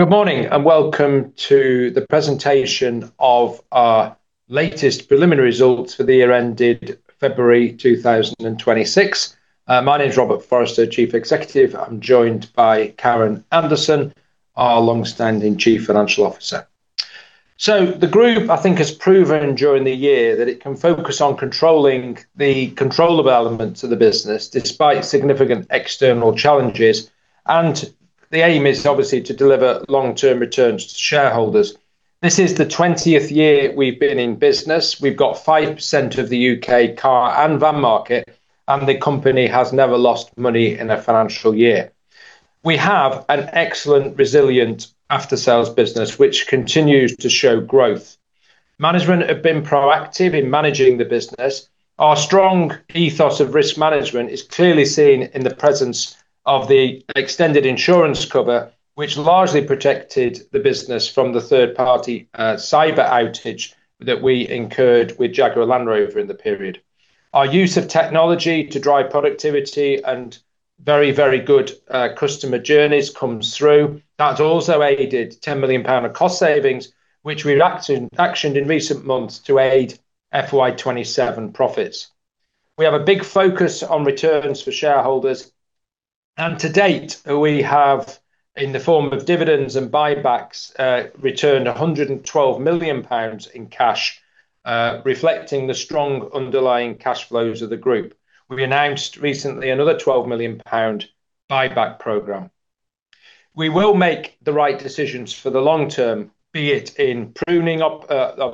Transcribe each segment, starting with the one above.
Good morning, welcome to the presentation of our latest preliminary results for the year ended February 2026. My name is Robert Forrester, Chief Executive. I'm joined by Karen Anderson, our long-standing Chief Financial Officer. The group, I think, has proven during the year that it can focus on controlling the controllable elements of the business despite significant external challenges. The aim is obviously to deliver long-term returns to shareholders. This is the 20th year we've been in business. We've got 5% of the U.K. car and van market, and the company has never lost money in a financial year. We have an excellent, resilient after-sales business, which continues to show growth. Management have been proactive in managing the business. Our strong ethos of risk management is clearly seen in the presence of the extended insurance cover, which largely protected the business from the third-party cyber outage that we incurred with Jaguar Land Rover in the period. Our use of technology to drive productivity and very, very good customer journeys comes through. That also aided 10 million pound of cost savings, which we actioned in recent months to aid FY 2027 profits. We have a big focus on returns for shareholders, and to date, we have, in the form of dividends and buybacks returned 112 million pounds in cash reflecting the strong underlying cash flows of the group. We announced recently another GBP 12 million buyback program. We will make the right decisions for the long term, be it in pruning of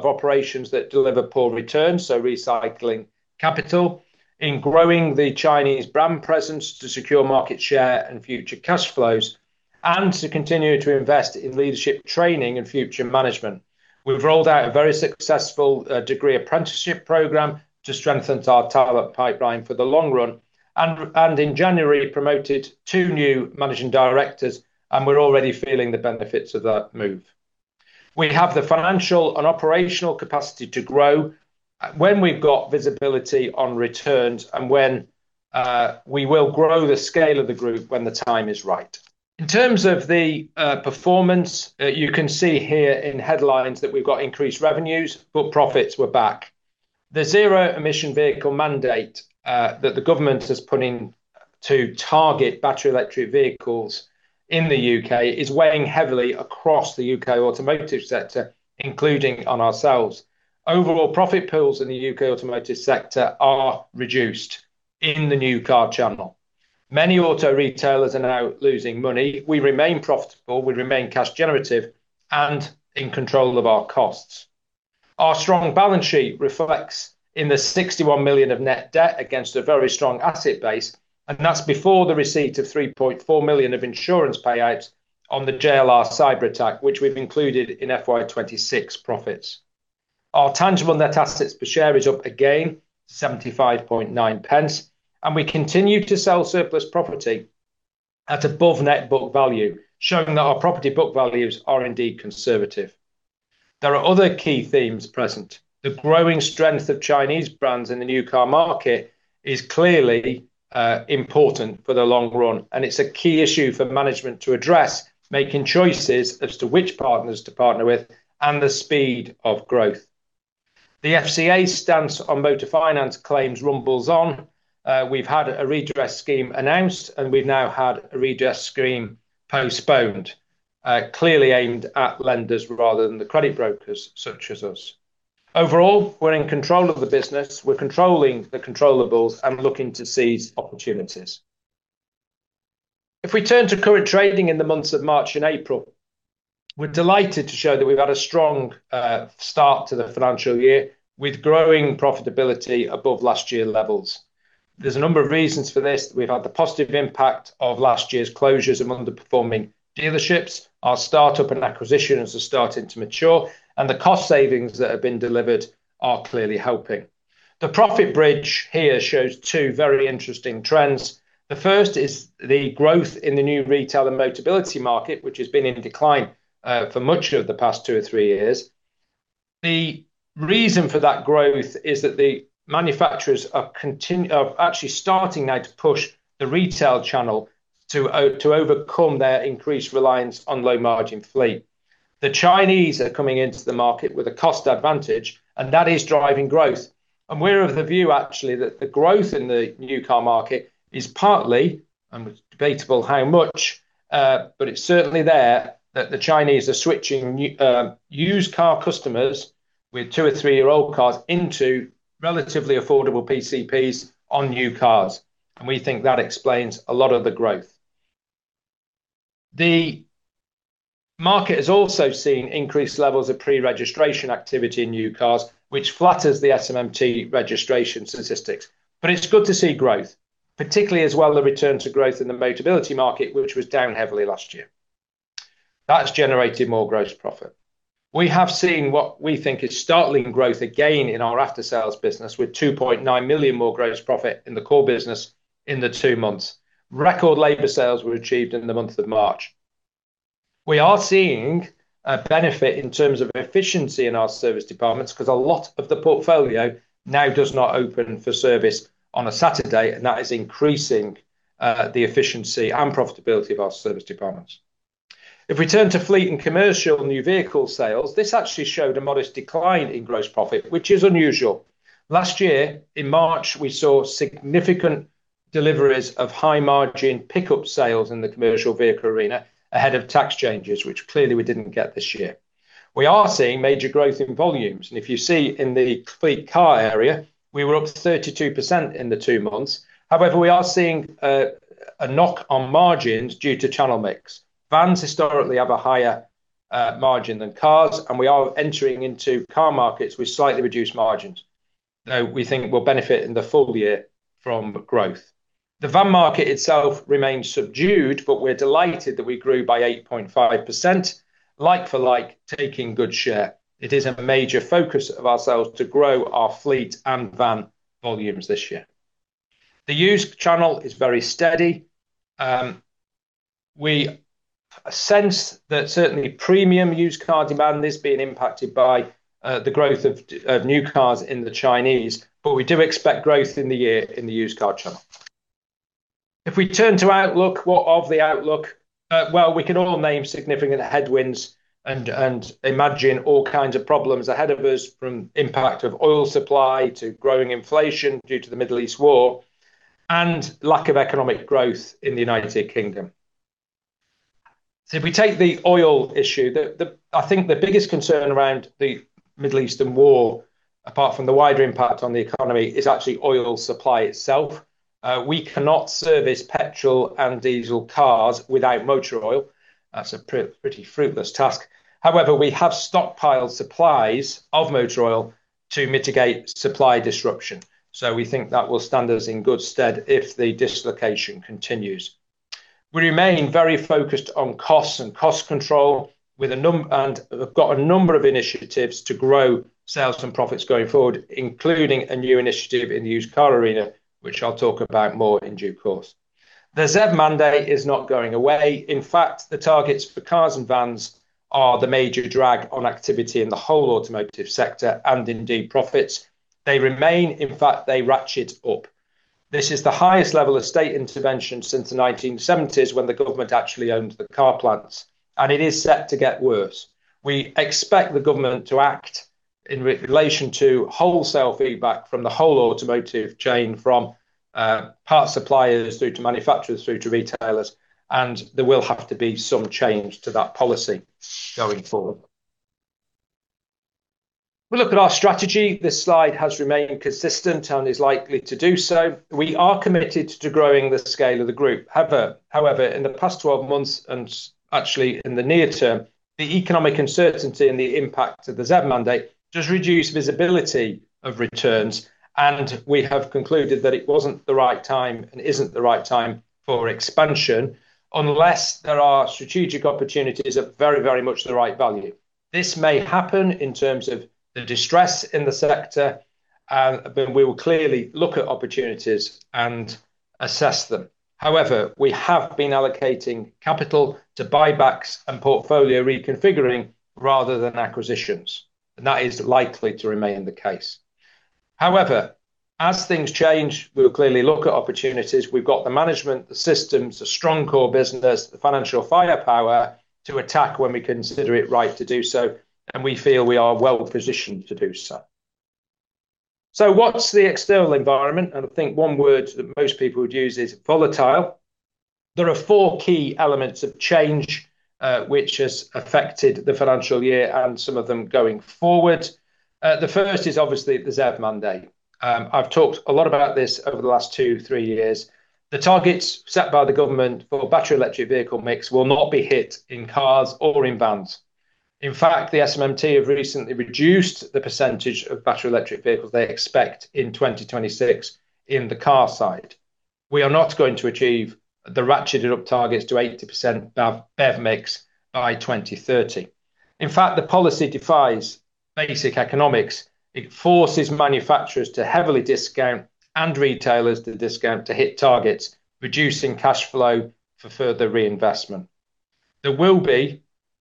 operations that deliver poor returns, so recycling capital, in growing the Chinese brand presence to secure market share and future cash flows, and to continue to invest in leadership training and future management. We've rolled out a very successful degree apprenticeship program to strengthen our talent pipeline for the long run and in January, promoted two new managing directors. We're already feeling the benefits of that move. We have the financial and operational capacity to grow when we've got visibility on returns and when we will grow the scale of the group when the time is right. In terms of the performance, you can see here in headlines that we've got increased revenues. Profits were back. The Zero Emission Vehicle mandate that the government has put in to target battery electric vehicles in the U.K. is weighing heavily across the U.K. automotive sector, including on ourselves. Overall profit pools in the U.K. automotive sector are reduced in the new car channel. Many auto retailers are now losing money. We remain profitable. We remain cash generative and in control of our costs. Our strong balance sheet reflects in the 61 million of net debt against a very strong asset base, and that's before the receipt of 3.4 million of insurance payouts on the JLR cyber attack, which we've included in FY 2026 profits. Our tangible net assets per share is up again, 0.759, and we continue to sell surplus property at above net book value, showing that our property book values are indeed conservative. There are other key themes present. The growing strength of Chinese brands in the new car market is clearly important for the long run, and it's a key issue for management to address, making choices as to which partners to partner with and the speed of growth. The FCA stance on motor finance claims rumbles on. We've had a redress scheme announced, and we've now had a redress scheme postponed, clearly aimed at lenders rather than the credit brokers such as us. Overall, we're in control of the business. We're controlling the controllables and looking to seize opportunities. If we turn to current trading in the months of March and April, we're delighted to show that we've had a strong start to the financial year with growing profitability above last year levels. There's a number of reasons for this. We've had the positive impact of last year's closures among underperforming dealerships. Our startup and acquisitions are starting to mature, and the cost savings that have been delivered are clearly helping. The profit bridge here shows two very interesting trends. The first is the growth in the new retail and Motability market, which has been in decline for much of the past two or three years. The reason for that growth is that the manufacturers are actually starting now to push the retail channel to overcome their increased reliance on low-margin fleet. The Chinese are coming into the market with a cost advantage, and that is driving growth. We're of the view actually that the growth in the new car market is partly, and it's debatable how much, but it's certainly there, that the Chinese are switching used car customers with two or three-year-old cars into relatively affordable PCPs on new cars. We think that explains a lot of the growth. The market has also seen increased levels of pre-registration activity in new cars, which flatters the SMMT registration statistics. It's good to see growth, particularly as well the return to growth in the Motability market, which was down heavily last year. That's generated more gross profit. We have seen what we think is startling growth again in our after-sales business with 2.9 million more gross profit in the core business in the two months. Record labor sales were achieved in the month of March. We are seeing a benefit in terms of efficiency in our service departments because a lot of the portfolio now does not open for service on a Saturday, and that is increasing the efficiency and profitability of our service departments. If we turn to fleet and commercial new vehicle sales, this actually showed a modest decline in gross profit, which is unusual. Last year, in March, we saw significant deliveries of high margin pickup sales in the commercial vehicle arena ahead of tax changes, which clearly we didn't get this year. We are seeing major growth in volumes, and if you see in the fleet car area, we were up 32% in the two months. However, we are seeing a knock on margins due to channel mix. Vans historically have a higher margin than cars, and we are entering into car markets with slightly reduced margins. We think we'll benefit in the full year from growth. The van market itself remains subdued. We're delighted that we grew by 8.5% like for like, taking good share. It is a major focus of ourselves to grow our fleet and van volumes this year. The used channel is very steady. We sense that certainly premium used car demand is being impacted by the growth of new cars in the Chinese. We do expect growth in the year in the used car channel. If we turn to outlook, what of the outlook? Well, we can all name significant headwinds and imagine all kinds of problems ahead of us from impact of oil supply to growing inflation due to the Middle East war and lack of economic growth in the United Kingdom. If we take the oil issue, I think the biggest concern around the Middle Eastern war, apart from the wider impact on the economy, is actually oil supply itself. We cannot service petrol and diesel cars without motor oil. That's a pretty fruitless task. However, we have stockpiled supplies of motor oil to mitigate supply disruption. We think that will stand us in good stead if the dislocation continues. We remain very focused on costs and cost control and we've got a number of initiatives to grow sales and profits going forward, including a new initiative in the used car arena, which I'll talk about more in due course. The Zero Emission Vehicle mandate is not going away. In fact, the targets for cars and vans are the major drag on activity in the whole automotive sector and indeed profits. They remain. In fact, they ratchet up. This is the highest level of state intervention since the 1970s when the government actually owned the car plants. It is set to get worse. We expect the government to act in relation to wholesale feedback from the whole automotive chain from parts suppliers through to manufacturers through to retailers. There will have to be some change to that policy going forward. We look at our strategy. This slide has remained consistent and is likely to do so. We are committed to growing the scale of the group. However, in the past 12 months and actually in the near term, the economic uncertainty and the impact of the ZEV mandate does reduce visibility of returns, and we have concluded that it wasn't the right time and isn't the right time for expansion unless there are strategic opportunities at very, very much the right value. This may happen in terms of the distress in the sector, we will clearly look at opportunities and assess them. We have been allocating capital to buybacks and portfolio reconfiguring rather than acquisitions, and that is likely to remain the case. As things change, we'll clearly look at opportunities. We've got the management, the systems, the strong core business, the financial firepower to attack when we consider it right to do so, and we feel we are well-positioned to do so. What's the external environment? I think one word that most people would use is volatile. There are four key elements of change, which has affected the financial year and some of them going forward. The first is obviously the ZEV mandate. I've talked a lot about this over the last two, three years. The targets set by the government for battery electric vehicle mix will not be hit in cars or in vans. In fact, the SMMT have recently reduced the % of battery electric vehicles they expect in 2026 in the car side. We are not going to achieve the ratcheted up targets to 80% of BEV mix by 2030. In fact, the policy defies basic economics. It forces manufacturers to heavily discount and retailers to discount to hit targets, reducing cash flow for further reinvestment. There will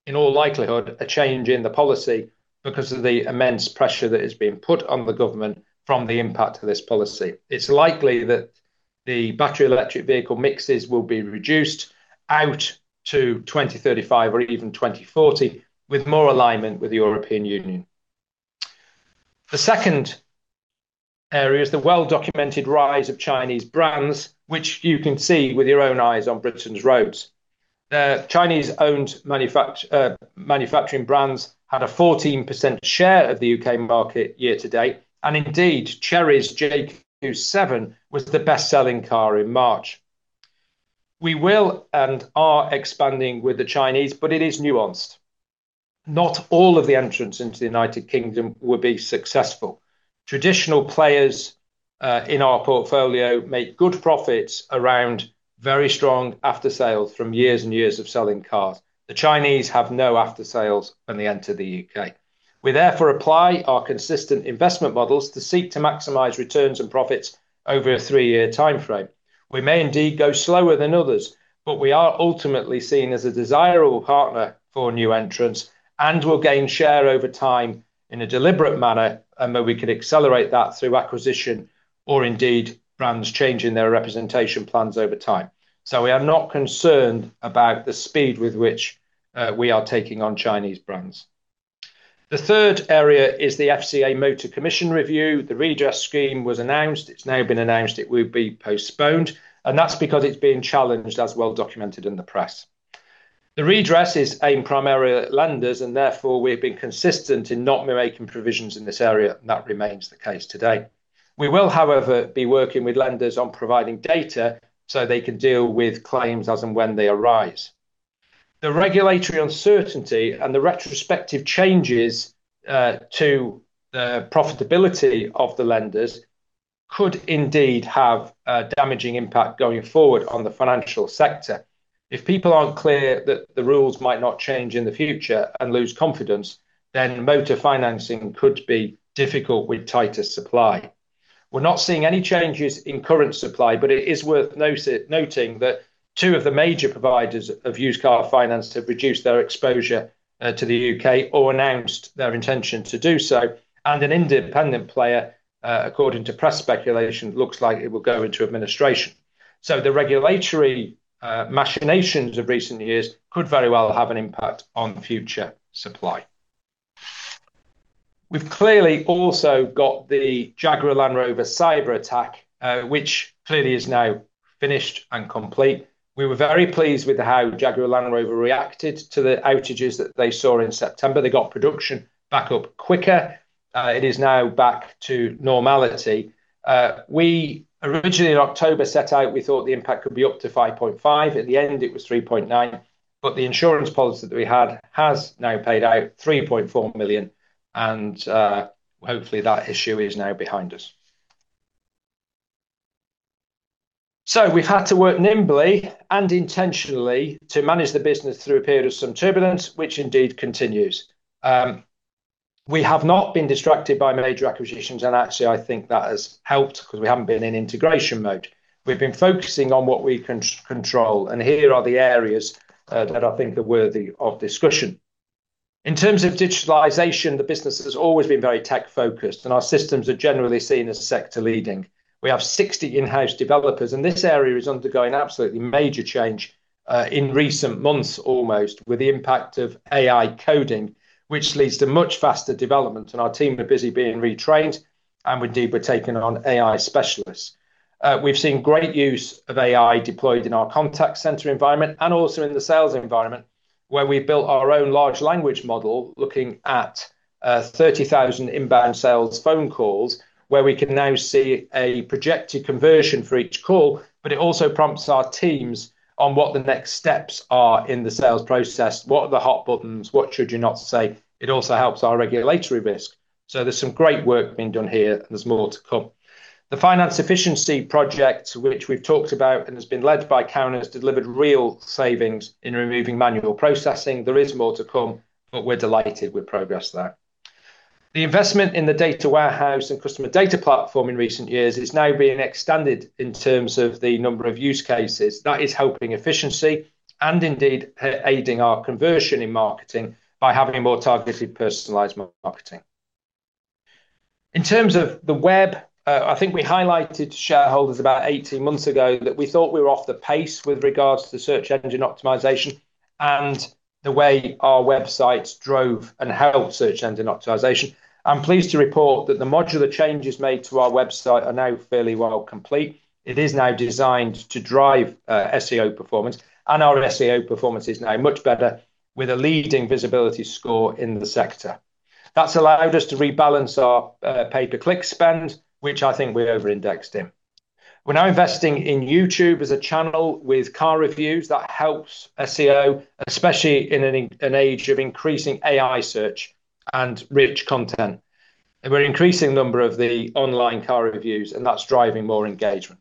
be, in all likelihood, a change in the policy because of the immense pressure that is being put on the government from the impact of this policy. It's likely that the battery electric vehicle mixes will be reduced out to 2035 or even 2040 with more alignment with the European Union. The second area is the well-documented rise of Chinese brands, which you can see with your own eyes on Britain's roads. The Chinese-owned manufacturing brands had a 14% share of the U.K. market year to date, and indeed, Chery's QQ7 was the best-selling car in March. We will and are expanding with the Chinese, it is nuanced. Not all of the entrants into the United Kingdom will be successful. Traditional players in our portfolio make good profits around very strong aftersales from years and years of selling cars. The Chinese have no aftersales when they enter the U.K. We therefore apply our consistent investment models to seek to maximize returns and profits over a three-year timeframe. We may indeed go slower than others, but we are ultimately seen as a desirable partner for new entrants and will gain share over time in a deliberate manner, and that we can accelerate that through acquisition or indeed brands changing their representation plans over time. We are not concerned about the speed with which we are taking on Chinese brands. The third area is the FCA Motor Commission review. The redress scheme was announced. It's now been announced it will be postponed, and that's because it's being challenged, as well-documented in the press. The redress is aimed primarily at lenders, and therefore, we've been consistent in not making provisions in this area, and that remains the case today. We will, however, be working with lenders on providing data so they can deal with claims as and when they arise. The regulatory uncertainty and the retrospective changes to the profitability of the lenders could indeed have a damaging impact going forward on the financial sector. If people aren't clear that the rules might not change in the future and lose confidence, then motor financing could be difficult with tighter supply. We're not seeing any changes in current supply, but it is worth noting that two of the major providers of used car finance have reduced their exposure to the U.K. or announced their intention to do so, and an independent player, according to press speculation, looks like it will go into administration. The regulatory machinations of recent years could very well have an impact on future supply. We've clearly also got the Jaguar Land Rover cyberattack, which clearly is now finished and complete. We were very pleased with how Jaguar Land Rover reacted to the outages that they saw in September. They got production back up quicker. It is now back to normality. We originally, in October, set out, we thought the impact could be up to 5.5 million. At the end, it was 3.9 million. The insurance policy that we had has now paid out 3.4 million, and hopefully that issue is now behind us. We've had to work nimbly and intentionally to manage the business through a period of some turbulence, which indeed continues. We have not been distracted by major acquisitions, and actually, I think that has helped because we haven't been in integration mode. We've been focusing on what we control. Here are the areas that I think are worthy of discussion. In terms of digitalization, the business has always been very tech-focused. Our systems are generally seen as sector-leading. We have 60 in-house developers. This area is undergoing absolutely major change in recent months almost, with the impact of AI coding, which leads to much faster development. Our team are busy being retrained, indeed, we're taking on AI specialists. We've seen great use of AI deployed in our contact center environment and also in the sales environment, where we've built our own large language model looking at 30,000 inbound sales phone calls where we can now see a projected conversion for each call. It also prompts our teams on what the next steps are in the sales process. What are the hot buttons? What should you not say? It also helps our regulatory risk. There's some great work being done here. There's more to come. The finance efficiency project, which we've talked about and has been led by Karen, has delivered real savings in removing manual processing. There is more to come, but we're delighted with progress there. The investment in the data warehouse and customer data platform in recent years is now being extended in terms of the number of use cases. That is helping efficiency and indeed aiding our conversion in marketing by having more targeted, personalized marketing. In terms of the web, I think I highlighted to shareholders about 18 months ago that we thought we were off the pace with regards to search engine optimization and the way our websites drove and held search engine optimization. I'm pleased to report that the modular changes made to our website are now fairly well complete. It is now designed to drive SEO performance, and our SEO performance is now much better with a leading visibility score in the sector. That's allowed us to rebalance our pay-per-click spend, which I think we over-indexed in. We're now investing in YouTube as a channel with car reviews that helps SEO, especially in an age of increasing AI search and rich content. We're increasing the number of the online car reviews, and that's driving more engagement.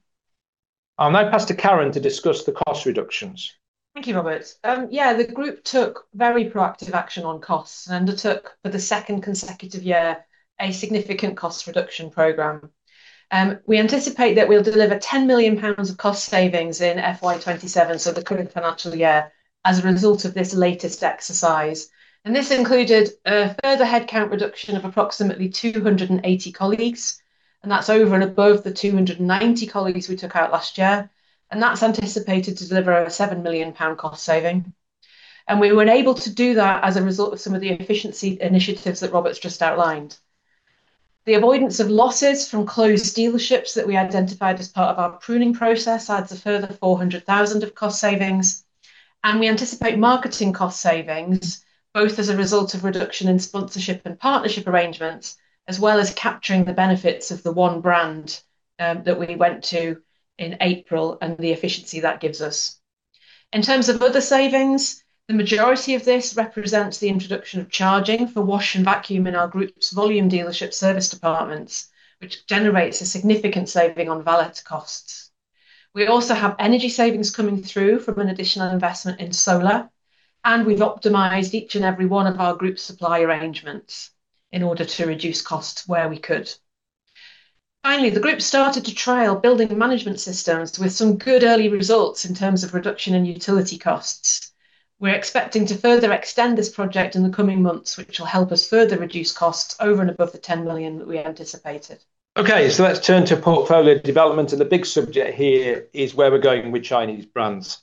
I'll now pass to Karen to discuss the cost reductions. Thank you, Robert. The group took very proactive action on costs and undertook, for the second consecutive year a significant cost reduction program. We anticipate that we'll deliver 10 million pounds of cost savings in FY 2027, so the current financial year, as a result of this latest exercise. This included a further headcount reduction of approximately 280 colleagues, and that's over and above the 290 colleagues we took out last year. That's anticipated to deliver a 7 million pound cost saving. We were able to do that as a result of some of the efficiency initiatives that Robert's just outlined. The avoidance of losses from closed dealerships that we identified as part of our pruning process adds a further 400,000 of cost savings. We anticipate marketing cost savings, both as a result of reduction in sponsorship and partnership arrangements, as well as capturing the benefits of the one brand that we went to in April and the efficiency that gives us. In terms of other savings, the majority of this represents the introduction of charging for wash and vacuum in our group's volume dealership service departments, which generates a significant saving on valet costs. We also have energy savings coming through from an additional investment in solar, and we've optimized each and every one of our group supply arrangements in order to reduce costs where we could. Finally, the group started to trial building management systems with some good early results in terms of reduction in utility costs. We're expecting to further extend this project in the coming months, which will help us further reduce costs over and above the 10 million that we anticipated. Let's turn to portfolio development, and the big subject here is where we're going with Chinese brands.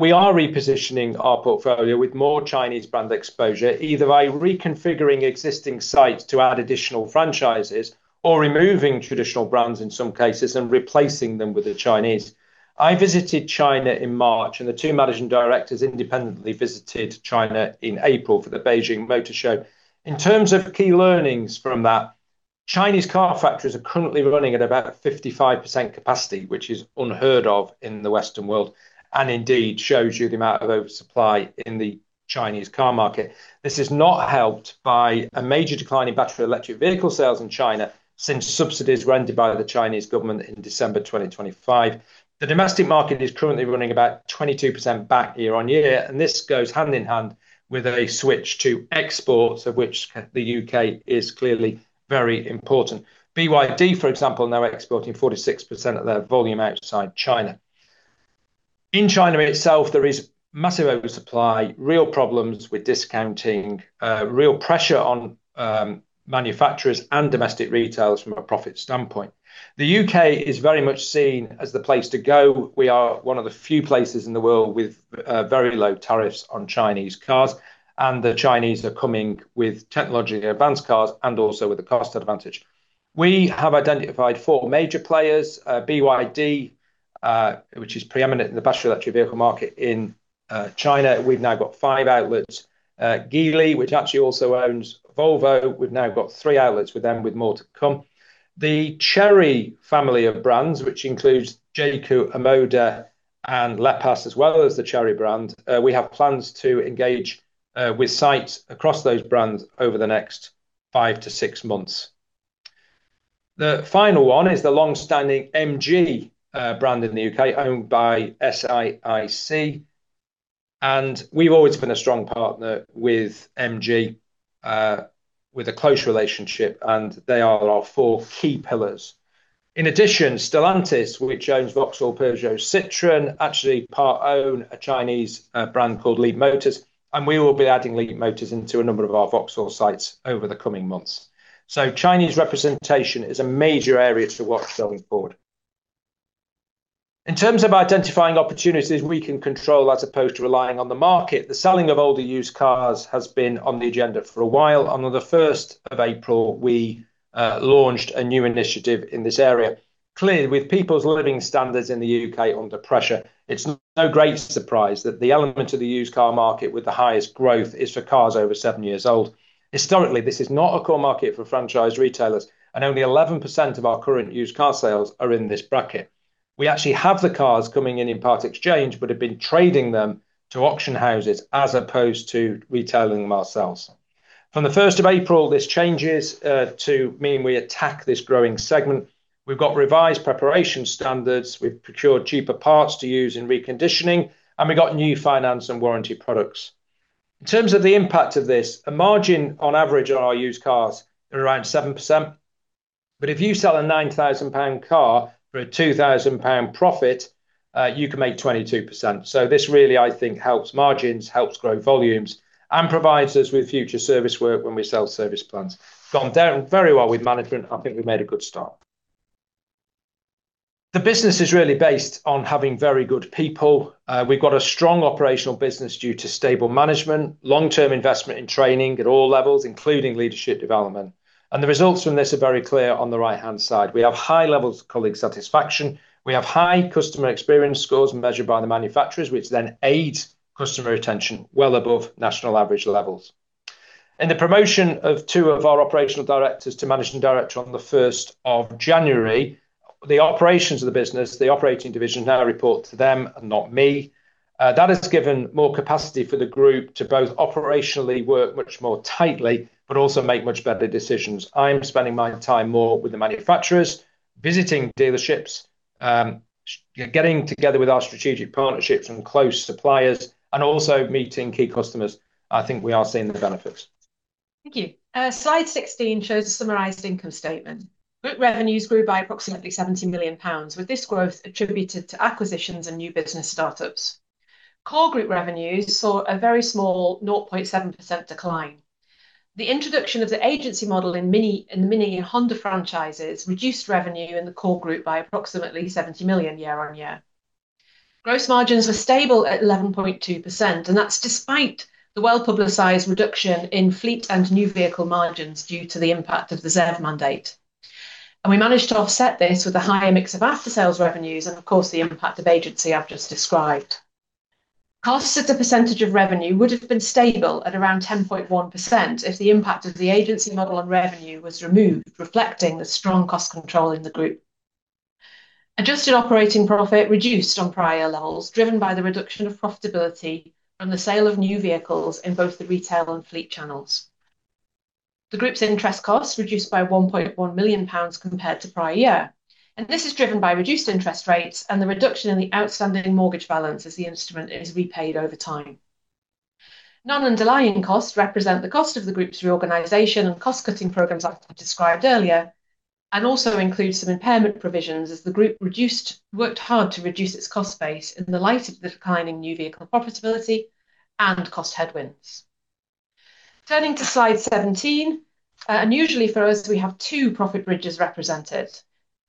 We are repositioning our portfolio with more Chinese brand exposure, either by reconfiguring existing sites to add additional franchises or removing traditional brands in some cases and replacing them with the Chinese. I visited China in March, and the two managing directors independently visited China in April for the Beijing Motor Show. In terms of key learnings from that, Chinese car factories are currently running at about 55% capacity, which is unheard of in the Western world, and indeed shows you the amount of oversupply in the Chinese car market. This is not helped by a major decline in battery electric vehicle sales in China since subsidies were ended by the Chinese government in December 2025. The domestic market is currently running about 22% back year-on-year. This goes hand in hand with a switch to exports, of which the U.K. is clearly very important. BYD, for example, now exporting 46% of their volume outside China. In China itself, there is massive oversupply, real problems with discounting, real pressure on manufacturers and domestic retailers from a profit standpoint. The U.K. is very much seen as the place to go. We are one of the few places in the world with very low tariffs on Chinese cars. The Chinese are coming with technologically advanced cars and also with a cost advantage. We have identified four major players, BYD, which is preeminent in the battery electric vehicle market in China. We've now got five outlets. Geely, which actually also owns Volvo. We've now got three outlets with them with more to come. The Chery family of brands, which includes Jaecoo, Omoda, and Exlantix, as well as the Chery brand. We have plans to engage with sites across those brands over the next five to six months. The final one is the long-standing MG brand in the U.K., owned by SAIC. We've always been a strong partner with MG with a close relationship, and they are our four key pillars. In addition, Stellantis, which owns Vauxhall, Peugeot, Citroën, actually part-own a Chinese brand called Leapmotor, and we will be adding Leapmotor into a number of our Vauxhall sites over the coming months. Chinese representation is a major area to watch going forward. In terms of identifying opportunities we can control as opposed to relying on the market, the selling of older used cars has been on the agenda for a while. On the 1 April, we launched a new initiative in this area. Clearly, with people's living standards in the U.K. under pressure, it's no great surprise that the element of the used car market with the highest growth is for cars over seven years old. Historically, this is not a core market for franchise retailers, only 11% of our current used car sales are in this bracket. We actually have the cars coming in in part exchange, have been trading them to auction houses as opposed to retailing them ourselves. From the 1 April, this changes to mean we attack this growing segment. We've got revised preparation standards. We've procured cheaper parts to use in reconditioning, and we've got new finance and warranty products. In terms of the impact of this, a margin on average on our used cars are around 7%. If you sell a 9,000 pound car for a 2,000 pound profit, you can make 22%. This really, I think, helps margins, helps grow volumes, and provides us with future service work when we sell service plans. We got on down very well with management. I think we made a good start. The business is really based on having very good people. We've got a strong operational business due to stable management, long-term investment in training at all levels, including leadership development. The results from this are very clear on the right-hand side. We have high levels of colleague satisfaction. We have high customer experience scores measured by the manufacturers, which then aids customer retention well above national average levels. In the promotion of two of our operational directors to managing director on the first of January, the operations of the business, the operating divisions now report to them and not me. That has given more capacity for the group to both operationally work much more tightly but also make much better decisions. I'm spending my time more with the manufacturers, visiting dealerships, getting together with our strategic partnerships and close suppliers, and also meeting key customers. I think we are seeing the benefits. Thank you. Slide 16 shows a summarized income statement. Group revenues grew by approximately 70 million pounds, with this growth attributed to acquisitions and new business startups. Core group revenues saw a very small 0.7% decline. The introduction of the agency model in MINI, in the MINI and Honda franchises reduced revenue in the core group by approximately 70 million year-on-year. Gross margins were stable at 11.2%, that's despite the well-publicized reduction in fleet and new vehicle margins due to the impact of the ZEV mandate. We managed to offset this with a higher mix of after-sales revenues and of course, the impact of agency I've just described. Costs as a percentage of revenue would have been stable at around 10.1% if the impact of the agency model on revenue was removed, reflecting the strong cost control in the group. Adjusted operating profit reduced on prior levels, driven by the reduction of profitability from the sale of new vehicles in both the retail and fleet channels. The group's interest costs reduced by 1.1 million pounds compared to prior year. This is driven by reduced interest rates and the reduction in the outstanding mortgage balance as the instrument is repaid over time. Non-underlying costs represent the cost of the group's reorganization and cost-cutting programs I described earlier. Also includes some impairment provisions as the group worked hard to reduce its cost base in the light of the declining new vehicle profitability and cost headwinds. Turning to slide 17, unusually for us, we have two profit bridges represented.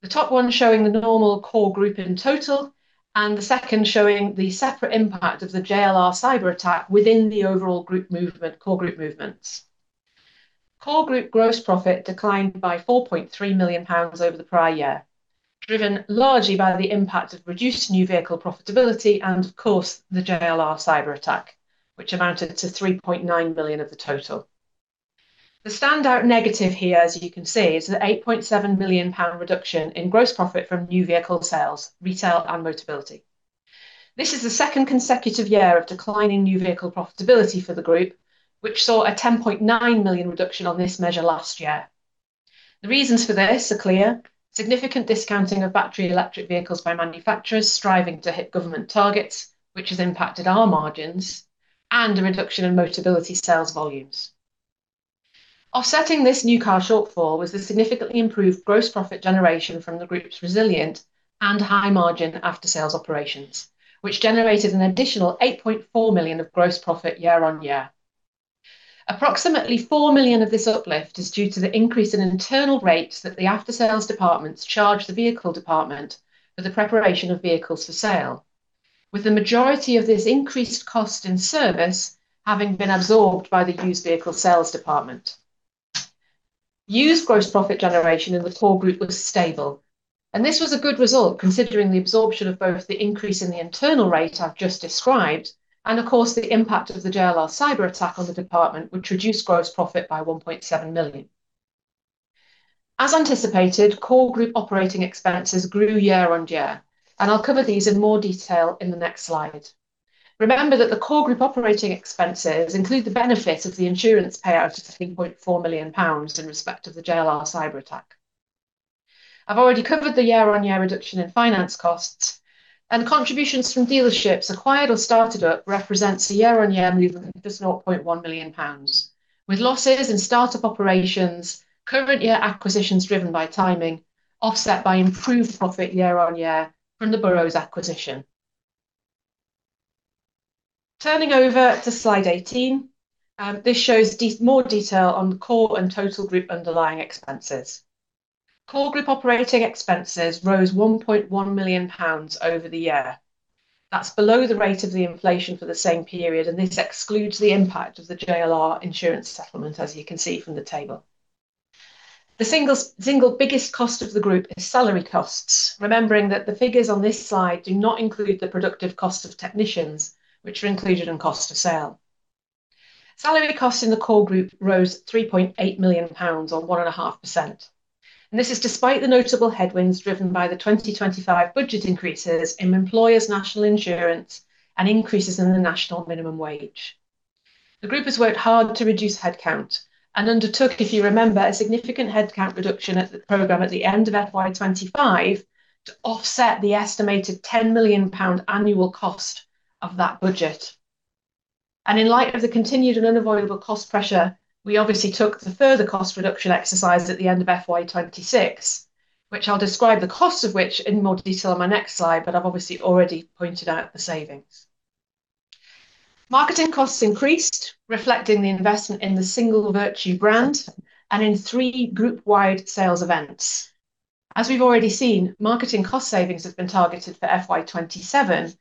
The top one showing the normal core group in total, the second showing the separate impact of the JLR cyber attack within the overall core group movements. Core group gross profit declined by 4.3 million pounds over the prior year, driven largely by the impact of reduced new vehicle profitability and of course, the JLR cyber attack, which amounted to 3.9 million of the total. The standout negative here, as you can see, is the 8.7 million pound reduction in gross profit from new vehicle sales, retail and Motability. This is the second consecutive year of declining new vehicle profitability for the group, which saw a 10.9 million reduction on this measure last year. The reasons for this are clear. Significant discounting of battery electric vehicles by manufacturers striving to hit government targets, which has impacted our margins and a reduction in Motability sales volumes. Offsetting this new car shortfall was the significantly improved gross profit generation from the group's resilient and high margin after-sales operations, which generated an additional 8.4 million of gross profit year on year. Approximately 4 million of this uplift is due to the increase in internal rates that the after-sales departments charge the vehicle department for the preparation of vehicles for sale. With the majority of this increased cost in service having been absorbed by the used vehicle sales department. Used gross profit generation in the core group was stable, and this was a good result considering the absorption of both the increase in the internal rate I've just described, and of course, the impact of the JLR cyber-attack on the department, which reduced gross profit by 1.7 million. As anticipated, core group operating expenses grew year-on-year, and I'll cover these in more detail in the next slide. Remember that the core group operating expenses include the benefit of the insurance payout of 3.4 million pounds in respect of the JLR cyber-attack. I've already covered the year-on-year reduction in finance costs. Contributions from dealerships acquired or started up represents a year-on-year movement of just 0.1 million pounds. With losses in start-up operations, current year acquisitions driven by timing, offset by improved profit year-on-year from the Burrows acquisition. Turning over to slide 18, this shows more detail on the core and total group underlying expenses. Core group operating expenses rose 1.1 million pounds over the year. That's below the rate of the inflation for the same period, and this excludes the impact of the JLR insurance settlement, as you can see from the table. The single biggest cost of the group is salary costs, remembering that the figures on this slide do not include the productive cost of technicians, which are included in cost of sale. Salary costs in the core group rose 3.8 million pounds on 1.5%. This is despite the notable headwinds driven by the 2025 budget increases in employers' national insurance and increases in the national minimum wage. The group has worked hard to reduce headcount and undertook, if you remember, a significant headcount reduction at the program at the end of FY 2025 to offset the estimated 10 million pound annual cost of that budget. In light of the continued and unavoidable cost pressure, we obviously took the further cost reduction exercise at the end of FY 2026, which I'll describe the cost of which in more detail on my next slide, but I've obviously already pointed out the savings. Marketing costs increased, reflecting the investment in the single Vertu brand and in three group-wide sales events. As we've already seen, marketing cost savings have been targeted for FY 2027, as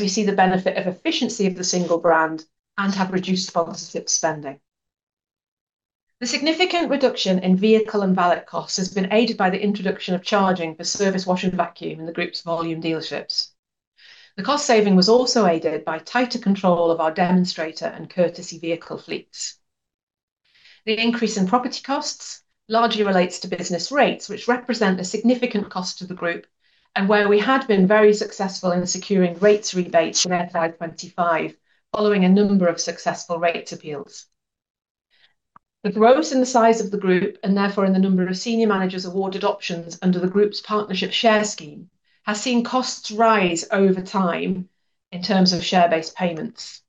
we see the benefit of efficiency of the single brand and have reduced sponsorship spending. The significant reduction in vehicle and valet costs has been aided by the introduction of charging for service wash and vacuum in the group's volume dealerships. The cost saving was also aided by tighter control of our demonstrator and courtesy vehicle fleets. The increase in property costs largely relates to business rates, which represent a significant cost to the group, and where we had been very successful in securing rates rebates for FY 2025, following a number of successful rates appeals. The growth in the size of the group, and therefore in the number of senior managers awarded options under the group's Partnership Share Scheme, has seen costs rise over time in terms of share-based payments.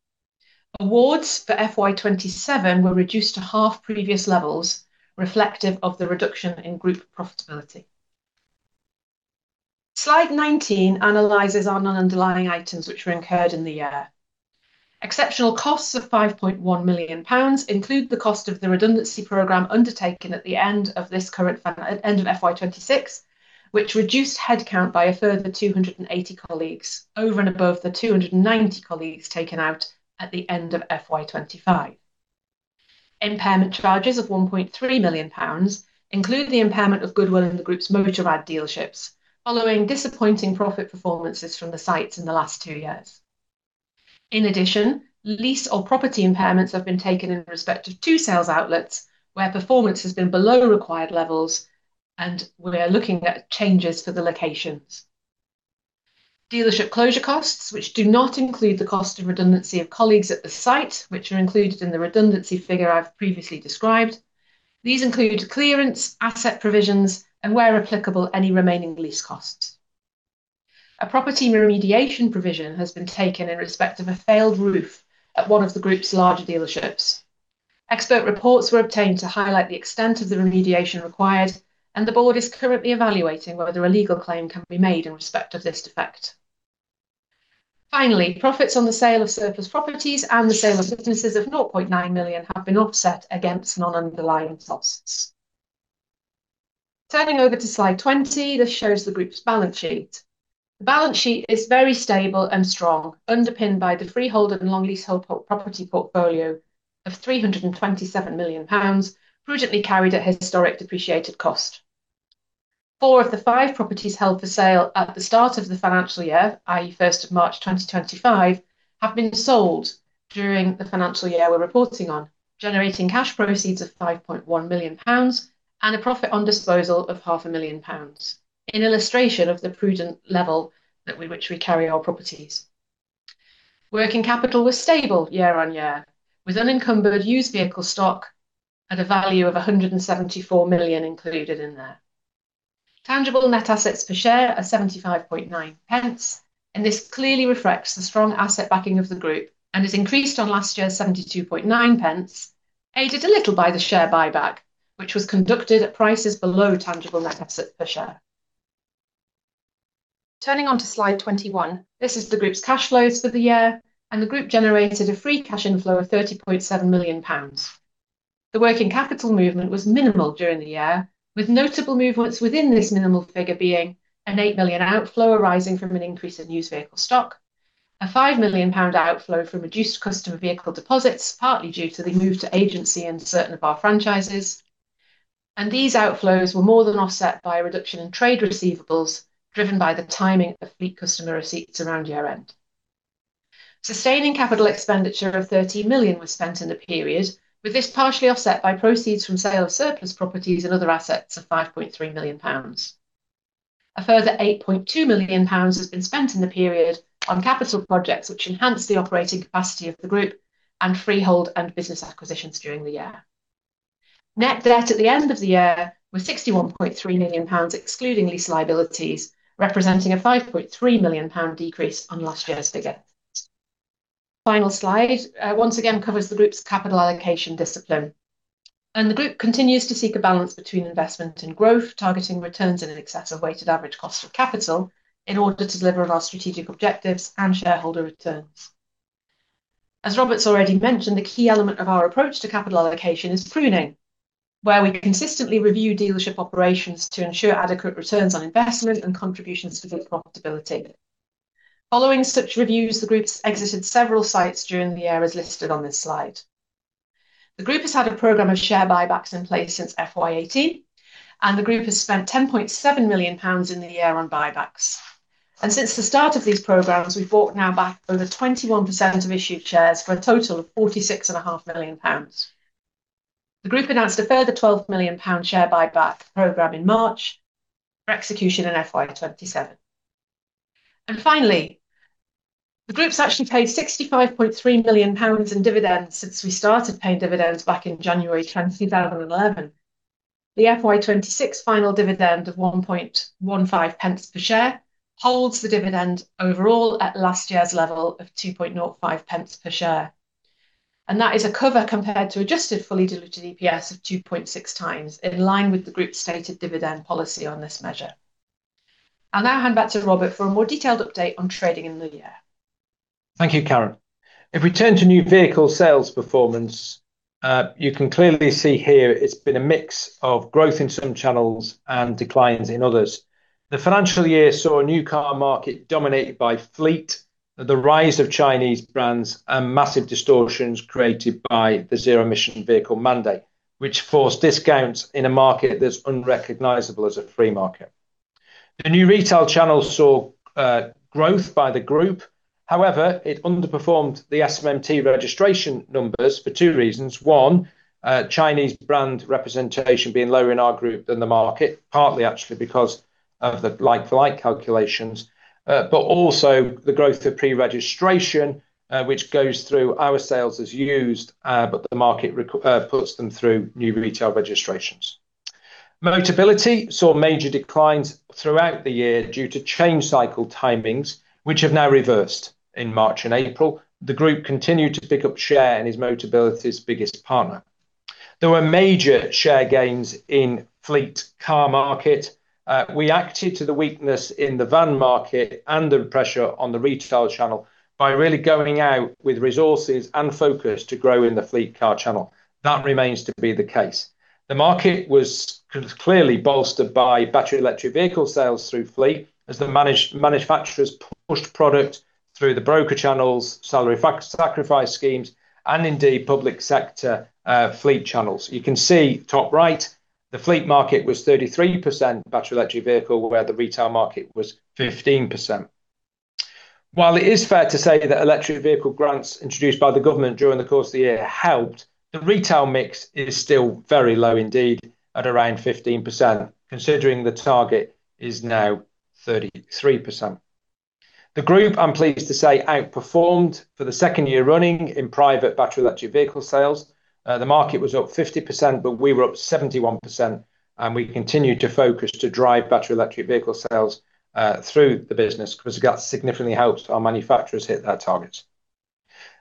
Awards for FY 2027 were reduced to half previous levels, reflective of the reduction in group profitability. Slide 19 analyzes our non-underlying items which were incurred in the year. Exceptional costs of 5.1 million pounds include the cost of the redundancy program undertaken at the end of this current end of FY 2026, which reduced headcount by a further 280 colleagues over and above the 290 colleagues taken out at the end of FY 2025. Impairment charges of 1.3 million pounds include the impairment of goodwill in the group's Motorrad dealerships following disappointing profit performances from the sites in the last two years. In addition, lease or property impairments have been taken in respect of two sales outlets, where performance has been below required levels, and we are looking at changes for the locations. Dealership closure costs, which do not include the cost of redundancy of colleagues at the site, which are included in the redundancy figure I've previously described. These include clearance, asset provisions, and where applicable, any remaining lease costs. A property remediation provision has been taken in respect of a failed roof at one of the group's larger dealerships. Expert reports were obtained to highlight the extent of the remediation required, and the board is currently evaluating whether a legal claim can be made in respect of this defect. Finally, profits on the sale of surplus properties and the sale of businesses of 9.9 million have been offset against non-underlying costs. Turning over to slide 20, this shows the group's balance sheet. The balance sheet is very stable and strong, underpinned by the freeholder and long leasehold property portfolio of 327 million pounds prudently carried at historic depreciated cost. Four of the five properties held for sale at the start of the financial year, i.e., 1 March 2025, have been sold during the financial year we're reporting on, generating cash proceeds of 5.1 million pounds and a profit on disposal of half a million pounds, in illustration of the prudent level which we carry our properties. Working capital was stable year-on-year, with unencumbered used vehicle stock at a value of 174 million included in there. Tangible net assets per share are 0.759, this clearly reflects the strong asset backing of the group and has increased on last year's 0.729, aided a little by the share buyback, which was conducted at prices below tangible net asset per share. Turning on to slide 21, this is the group's cash flows for the year. The group generated a free cash inflow of 30.7 million pounds. The working capital movement was minimal during the year, with notable movements within this minimal figure being an 8 million outflow arising from an increase in used vehicle stock, an 5 million pound outflow from reduced customer vehicle deposits, partly due to the move to agency model in certain of our franchises. These outflows were more than offset by a reduction in trade receivables, driven by the timing of fleet customer receipts around year-end. Sustaining capital expenditure of 30 million was spent in the period, with this partially offset by proceeds from sale of surplus properties and other assets of 5.3 million pounds. A further 8.2 million pounds has been spent in the period on capital projects which enhance the operating capacity of the group and freehold and business acquisitions during the year. Net debt at the end of the year was 61.3 million pounds, excluding lease liabilities, representing a 5.3 million pound decrease on last year's figure. Final slide once again covers the group's capital allocation discipline. The group continues to seek a balance between investment and growth, targeting returns in an excess of weighted average cost of capital in order to deliver on our strategic objectives and shareholder returns. As Robert's already mentioned, the key element of our approach to capital allocation is pruning, where we consistently review dealership operations to ensure adequate returns on investment and contributions to group profitability. Following such reviews, the group's exited several sites during the year, as listed on this slide. The group has had a program of share buybacks in place since FY 2018. The group has spent 10.7 million pounds in the year on buybacks. Since the start of these programs, we've bought now back over 21% of issued shares for a total of 46.5 million pounds. The group announced a further 12 million pound share buyback program in March for execution in FY 2027. Finally, the group's actually paid 65.3 million pounds in dividends since we started paying dividends back in January 2011. The FY 2026 final dividend of 0.0115 per share holds the dividend overall at last year's level of 0.0205 per share. That is a cover compared to adjusted fully diluted EPS of 2.6 times, in line with the group's stated dividend policy on this measure. I'll now hand back to Robert for a more detailed update on trading in the year. Thank you, Karen. If we turn to new vehicle sales performance, you can clearly see here it's been a mix of growth in some channels and declines in others. The financial year saw a new car market dominated by fleet, the rise of Chinese brands, and massive distortions created by the Zero Emission Vehicle mandate, which forced discounts in a market that's unrecognizable as a free market. The new retail channel saw growth by the group. However, it underperformed the SMMT registration numbers for two reasons, one, Chinese brand representation being lower in our group than the market, partly actually because of the like-for-like calculations, but also the growth of pre-registration, which goes through our sales as used, but the market puts them through new retail registrations. Motability saw major declines throughout the year due to change cycle timings, which have now reversed in March and April. The group continued to pick up share in its Motability's biggest partner. There were major share gains in fleet car market. We acted to the weakness in the van market and the pressure on the retail channel by really going out with resources and focus to grow in the fleet car channel. That remains to be the case. The market was clearly bolstered by battery electric vehicle sales through fleet as manufacturers pushed product through the broker channels, salary sacrifice schemes, and indeed public sector fleet channels. You can see, top right, the fleet market was 33% battery electric vehicle, where the retail market was 15%. While it is fair to say that electric vehicle grants introduced by the government during the course of the year helped, the retail mix is still very low indeed at around 15%, considering the target is now 33%. The group, I'm pleased to say, outperformed for the second year running in private battery electric vehicle sales. The market was up 50%, but we were up 71%. We continued to focus to drive battery electric vehicle sales through the business because that significantly helped our manufacturers hit their targets.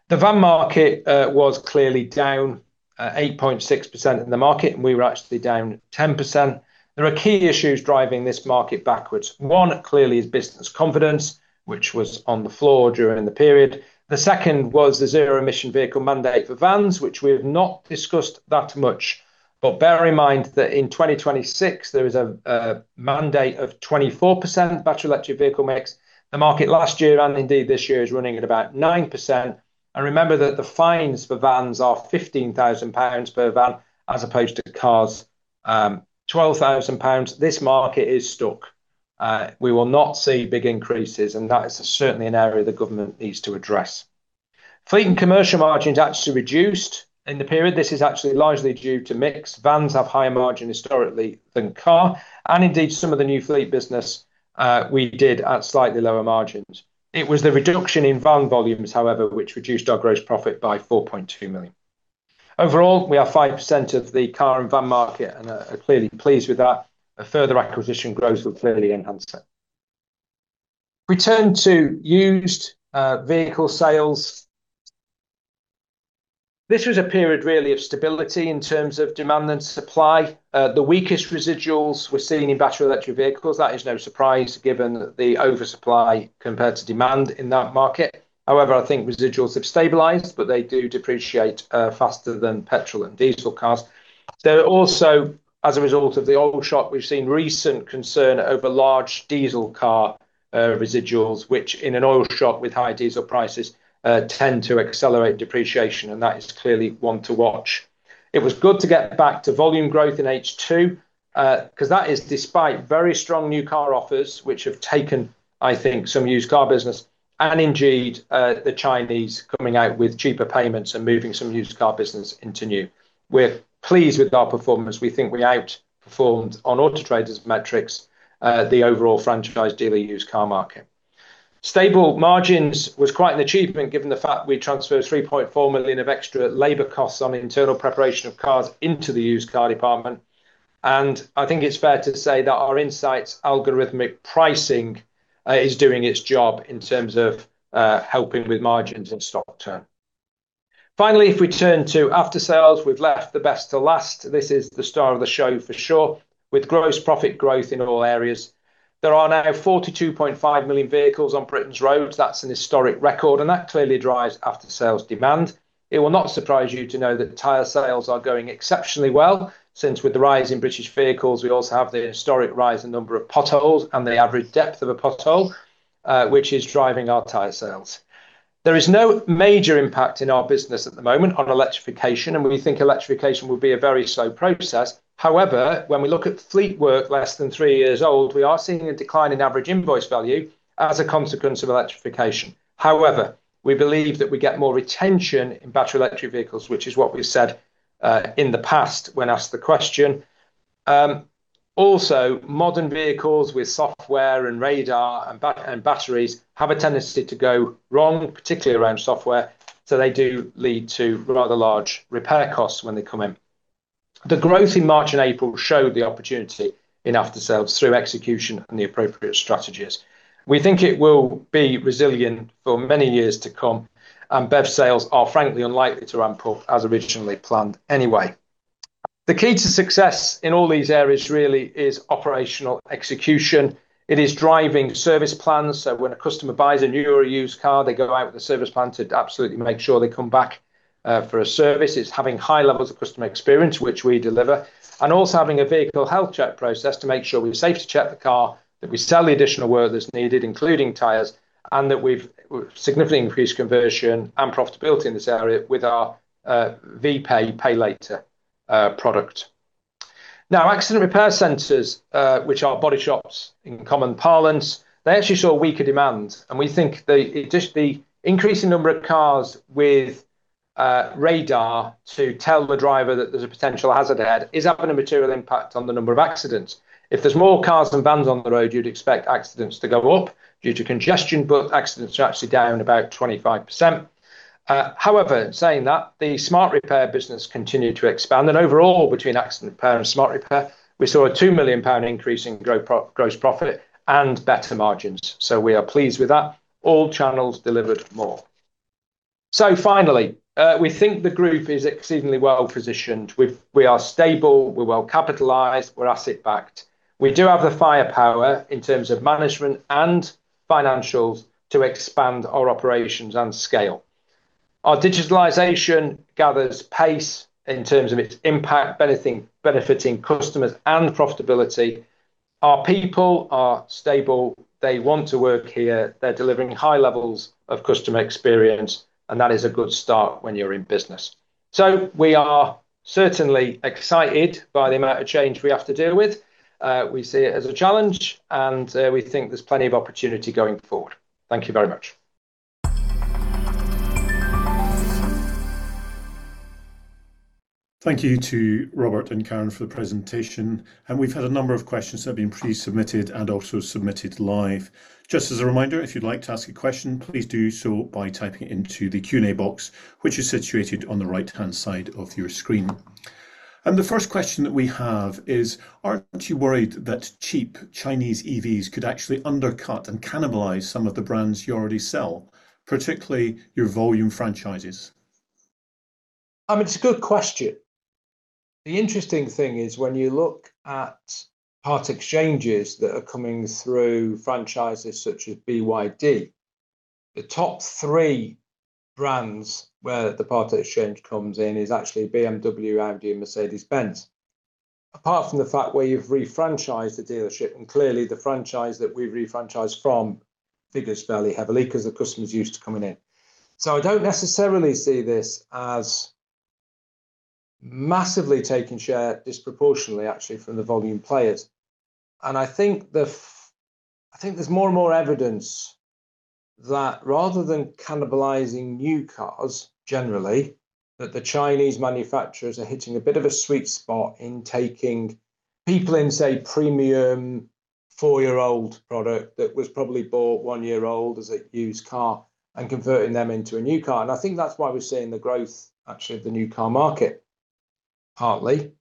The van market was clearly down 8.6% in the market. We were actually down 10%. There are key issues driving this market backwards. One, clearly, is business confidence, which was on the floor during the period. The second was the Zero Emission Vehicle mandate for vans, which we have not discussed that much. Bear in mind that in 2026, there is a mandate of 24% battery electric vehicle mix. The market last year, indeed this year, is running at about 9%. Remember that the fines for vans are 15,000 pounds per van as opposed to cars', 12,000 pounds. This market is stuck. We will not see big increases, and that is certainly an area the government needs to address. Fleet and commercial margins actually reduced in the period. This is actually largely due to mix. Vans have higher margin historically than car, indeed some of the new fleet business we did at slightly lower margins. It was the reduction in van volumes, however, which reduced our gross profit by 4.2 million. Overall, we are 5% of the car and van market and are clearly pleased with that. A further acquisition grows will clearly enhance that. We turn to used vehicle sales. This was a period really of stability in terms of demand and supply. The weakest residuals we're seeing in battery electric vehicles. That is no surprise given the oversupply compared to demand in that market. I think residuals have stabilized, but they do depreciate faster than petrol and diesel cars. They're also, as a result of the oil shock, we've seen recent concern over large diesel car residuals, which in an oil shock with high diesel prices tend to accelerate depreciation. That is clearly one to watch. It was good to get back to volume growth in H2, because that is despite very strong new car offers, which have taken, I think, some used car business, and indeed, the Chinese coming out with cheaper payments and moving some used car business into new. We're pleased with our performance. We think we outperformed on Auto Trader's metrics, the overall franchised daily used car market. Stable margins was quite an achievement given the fact we transferred 3.4 million of extra labor costs on internal preparation of cars into the used car department. I think it's fair to say that our insights algorithmic pricing is doing its job in terms of helping with margins and stock turn. Finally, if we turn to aftersales, we've left the best to last. This is the star of the show for sure, with gross profit growth in all areas. There are now 42.5 million vehicles on Britain's roads. That's an historic record. That clearly drives aftersales demand. It will not surprise you to know that tire sales are going exceptionally well since with the rise in British vehicles, we also have the historic rise in number of potholes and the average depth of a pothole, which is driving our tire sales. There is no major impact in our business at the moment on electrification. We think electrification will be a very slow process. However, when we look at fleet work less than three years old, we are seeing a decline in average invoice value as a consequence of electrification. However, we believe that we get more retention in battery electric vehicles, which is what we've said in the past when asked the question. Also, modern vehicles with software and radar and batteries have a tendency to go wrong, particularly around software, they do lead to rather large repair costs when they come in. The growth in March and April showed the opportunity in aftersales through execution and the appropriate strategies. We think it will be resilient for many years to come, BEV sales are frankly unlikely to ramp up as originally planned anyway. The key to success in all these areas really is operational execution. It is driving service plans, when a customer buys a new or a used car, they go out with a service plan to absolutely make sure they come back for a service. It's having high levels of customer experience, which we deliver, and also having a vehicle health check process to make sure we've safe to check the car, that we sell the additional work that's needed, including tires, and that we've significantly increased conversion and profitability in this area with our V-Pay pay later product. Now, accident repair centers, which are body shops in common parlance, they actually saw weaker demand. We think just the increasing number of cars with radar to tell the driver that there's a potential hazard ahead is having a material impact on the number of accidents. If there's more cars than vans on the road, you'd expect accidents to go up due to congestion, but accidents are actually down about 25%. However, saying that, the smart repair business continued to expand. Overall, between accident repair and smart repair, we saw a 2 million pound increase in gross profit and better margins. We are pleased with that. All channels delivered more. Finally, we think the group is exceedingly well-positioned. We are stable. We're well capitalized. We're asset backed. We do have the firepower in terms of management and financials to expand our operations and scale. Our digitalization gathers pace in terms of its impact, benefiting customers and profitability. Our people are stable. They want to work here. They're delivering high levels of customer experience, and that is a good start when you're in business. We are certainly excited by the amount of change we have to deal with. We see it as a challenge, and we think there's plenty of opportunity going forward. Thank you very much. Thank you to Robert and Karen for the presentation. We've had a number of questions that have been pre-submitted and also submitted live. Just as a reminder, if you'd like to ask a question, please do so by typing it into the Q&A box, which is situated on the right-hand side of your screen. The first question that we have is, aren't you worried that cheap Chinese EVs could actually undercut and cannibalize some of the brands you already sell, particularly your volume franchises? It's a good question. The interesting thing is when you look at part exchanges that are coming through franchises such as BYD, the top three brands where the part exchange comes in is actually BMW, Audi, and Mercedes-Benz. Apart from the fact where you've refranchised the dealership, and clearly the franchise that we refranchised from figures fairly heavily because the customers are used to coming in. I don't necessarily see this as massively taking share disproportionately, actually, from the volume players. I think there's more and more evidence that rather than cannibalizing new cars generally, that the Chinese manufacturers are hitting a bit of a sweet spot in taking people in, say, premium four-year-old product that was probably bought one year old as a used car and converting them into a new car. I think that's why we're seeing the growth, actually, of the new car market partly.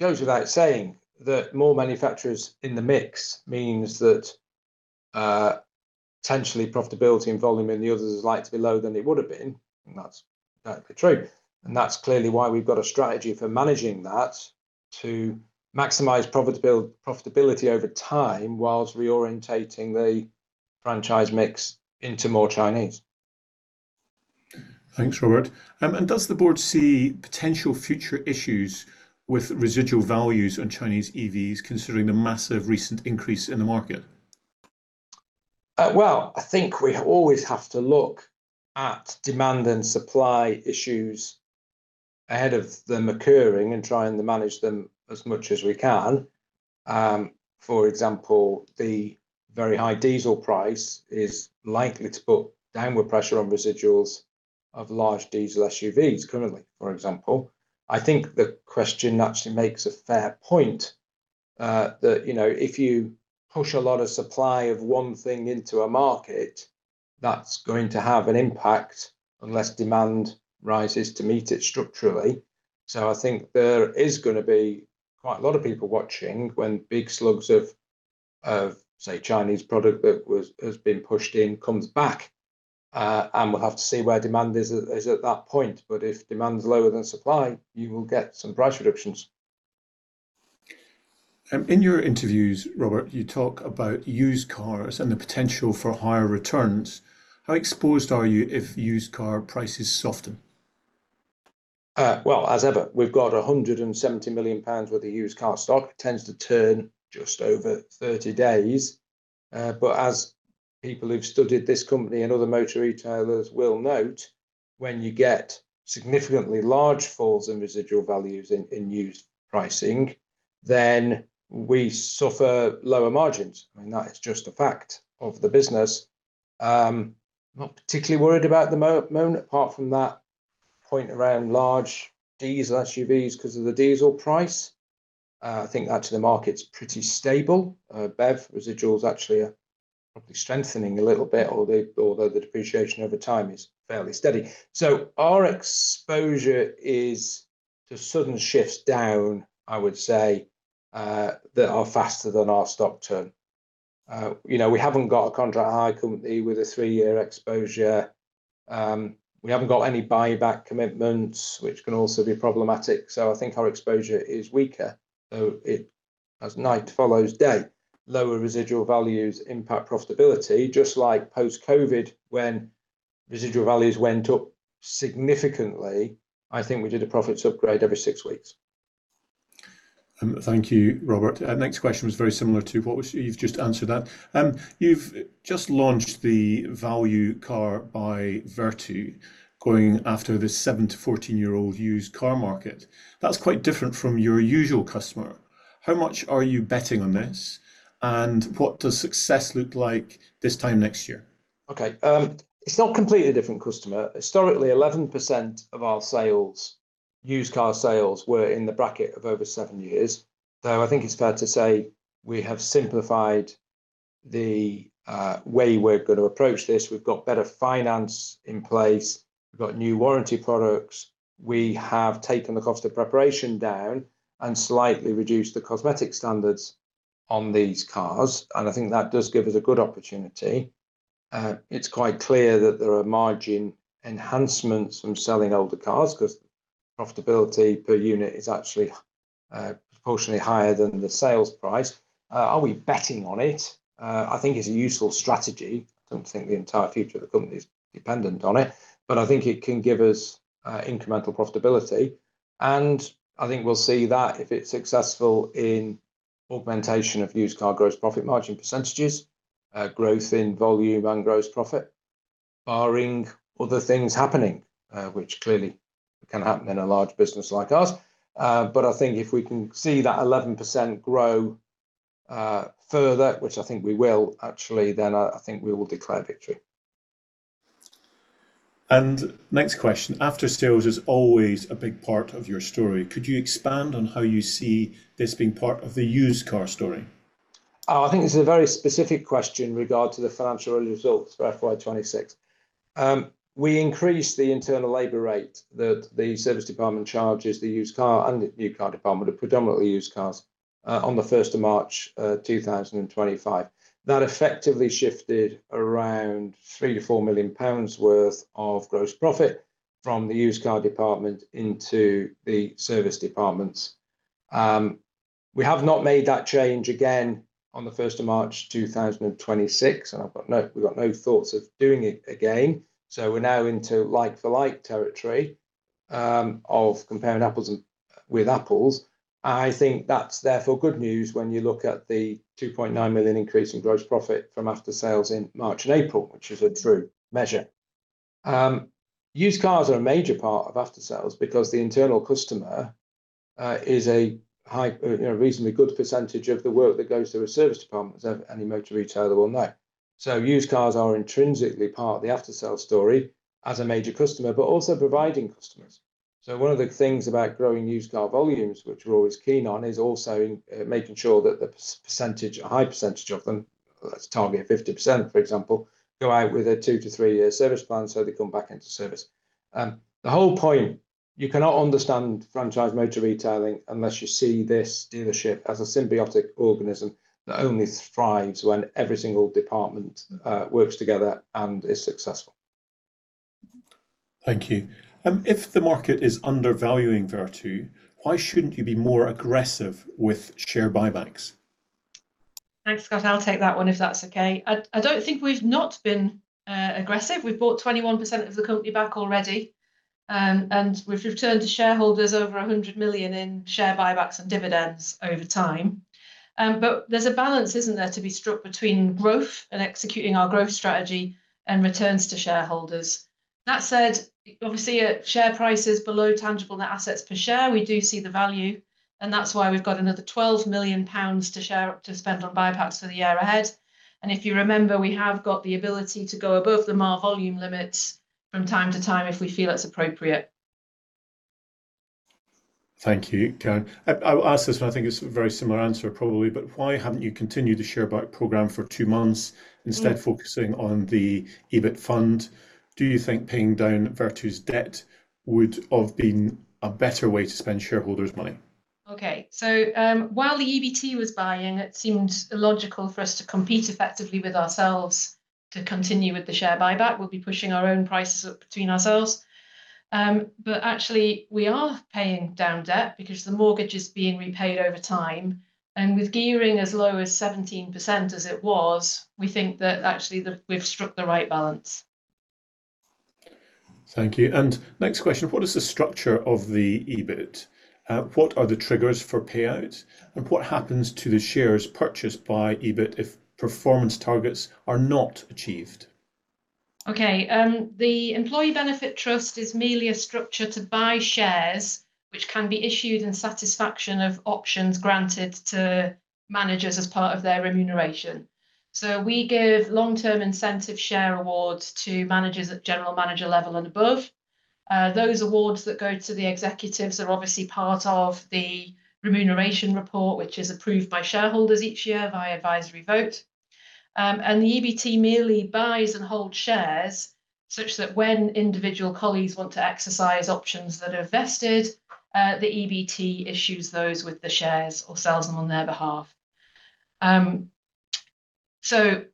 Goes without saying that more manufacturers in the mix means that potentially profitability and volume in the others is likely to be lower than it would've been. That's likely true. That's clearly why we've got a strategy for managing that to maximize profitability over time whilst reorientating the franchise mix into more Chinese. Thanks, Robert. Does the board see potential future issues with residual values on Chinese EVs, considering the massive recent increase in the market? Well, I think we always have to look at demand and supply issues ahead of them occurring and trying to manage them as much as we can. For example, the very high diesel price is likely to put downward pressure on residuals of large diesel SUVs currently, for example. I think the question actually makes a fair point, that, you know, if you push a lot of supply of one thing into a market, that's going to have an impact unless demand rises to meet it structurally. I think there is gonna be quite a lot of people watching when big slugs of say Chinese product has been pushed in, comes back, and we'll have to see where demand is at, is at that point. If demand's lower than supply, you will get some price reductions. In your interviews, Robert, you talk about used cars and the potential for higher returns, how exposed are you if used car prices soften? Well, as ever, we've got 170 million pounds worth of used car stock. It tends to turn just over 30 days. As people who've studied this company and other motor retailers will note, when you get significantly large falls in residual values in used pricing, then we suffer lower margins. I mean, that is just a fact of the business. Not particularly worried about it at the moment, apart from that point around large diesel SUVs 'cause of the diesel price. I think actually the market's pretty stable. BEV residuals actually are probably strengthening a little bit, although the depreciation over time is fairly steady. Our exposure is to sudden shifts down, I would say, that are faster than our stock turn. You know, we haven't got a contract hire company with a three-year exposure. We haven't got any buyback commitments, which can also be problematic, so I think our exposure is weaker. It, as night follows day, lower residual values impact profitability, just like post-COVID when residual values went up significantly, I think we did a profits upgrade every six weeks. Thank you, Robert. Next question was very similar to what was You've just answered that. You've just launched the Value Cars by Vertu, going after the seven-to-14-year-old used car market. That's quite different from your usual customer. How much are you betting on this, and what does success look like this time next year? Okay. It's not a completely different customer. Historically, 11% of our sales, used car sales, were in the bracket of over seven years. I think it's fair to say we have simplified the way we're gonna approach this. We've got better finance in place. We've got new warranty products. We have taken the cost of preparation down and slightly reduced the cosmetic standards on these cars, and I think that does give us a good opportunity. It's quite clear that there are margin enhancements from selling older cars, 'cause profitability per unit is actually proportionally higher than the sales price. Are we betting on it? I think it's a useful strategy. I don't think the entire future of the company is dependent on it, but I think it can give us incremental profitability, and I think we'll see that if it's successful in augmentation of used car gross profit margin percentages, growth in volume and gross profit, barring other things happening, which clearly can happen in a large business like ours. I think if we can see that 11% grow further, which I think we will actually, then I think we will declare victory. Next question. Aftersales is always a big part of your story. Could you expand on how you see this being part of the used car story? I think it's a very specific question in regard to the financial results for FY 2026. We increased the internal labor rate that the service department charges the used car and the new car department, but predominantly used cars, on the 1 March 2025. That effectively shifted around 3 million-4 million pounds worth of gross profit from the used car department into the service departments. We have not made that change again on the 1 March 2026, and we've got no thoughts of doing it again. We're now into like for like territory of comparing apples with apples. I think that's therefore good news when you look at the 2.9 million increase in gross profit from aftersales in March and April, which is a true measure. Used cars are a major part of aftersales because the internal customer is a high, reasonably good percentage of the work that goes through a service department as any motor retailer will know. Used cars are intrinsically part of the aftersales story as a major customer, but also providing customers. One of the things about growing used car volumes, which we're always keen on, is also making sure that the percentage, a high percentage of them, let's target 50%, for example, go out with a two-to-three-year service plan so they come back into service. The whole point, you cannot understand franchise motor retailing unless you see this dealership as a symbiotic organism that only thrives when every single department works together and is successful. Thank you. If the market is undervaluing Vertu, why shouldn't you be more aggressive with share buybacks? Thanks, Scott. I'll take that one if that's okay. I don't think we've not been aggressive. We've bought 21% of the company back already. We've returned to shareholders over 100 million in share buybacks and dividends over time. There's a balance, isn't there, to be struck between growth and executing our growth strategy and returns to shareholders. That said, obviously a share price is below tangible net assets per share. We do see the value, that's why we've got another 12 million pounds to spend on buybacks for the year ahead. If you remember, we have got the ability to go above the MAR volume limits from time to time if we feel it's appropriate. Thank you. Karen, I will ask this one. I think it's a very similar answer probably. Why haven't you continued the share buyback program for two months, instead focusing on the EBT fund? Do you think paying down Vertu's debt would have been a better way to spend shareholders' money? Okay. While the EBT was buying, it seemed illogical for us to compete effectively with ourselves to continue with the share buyback. We'd be pushing our own prices up between ourselves. Actually, we are paying down debt because the mortgage is being repaid over time. With gearing as low as 17% as it was, we think that actually we've struck the right balance. Thank you. Next question, what is the structure of the EBT? What are the triggers for payout? What happens to the shares purchased by EBT if performance targets are not achieved? Okay. The employee benefit trust is merely a structure to buy shares which can be issued in satisfaction of options granted to managers as part of their remuneration. We give long-term incentive share awards to managers at general manager level and above. Those awards that go to the executives are obviously part of the remuneration report, which is approved by shareholders each year via advisory vote. The EBT merely buys and holds shares such that when individual colleagues want to exercise options that are vested, the EBT issues those with the shares or sells them on their behalf. The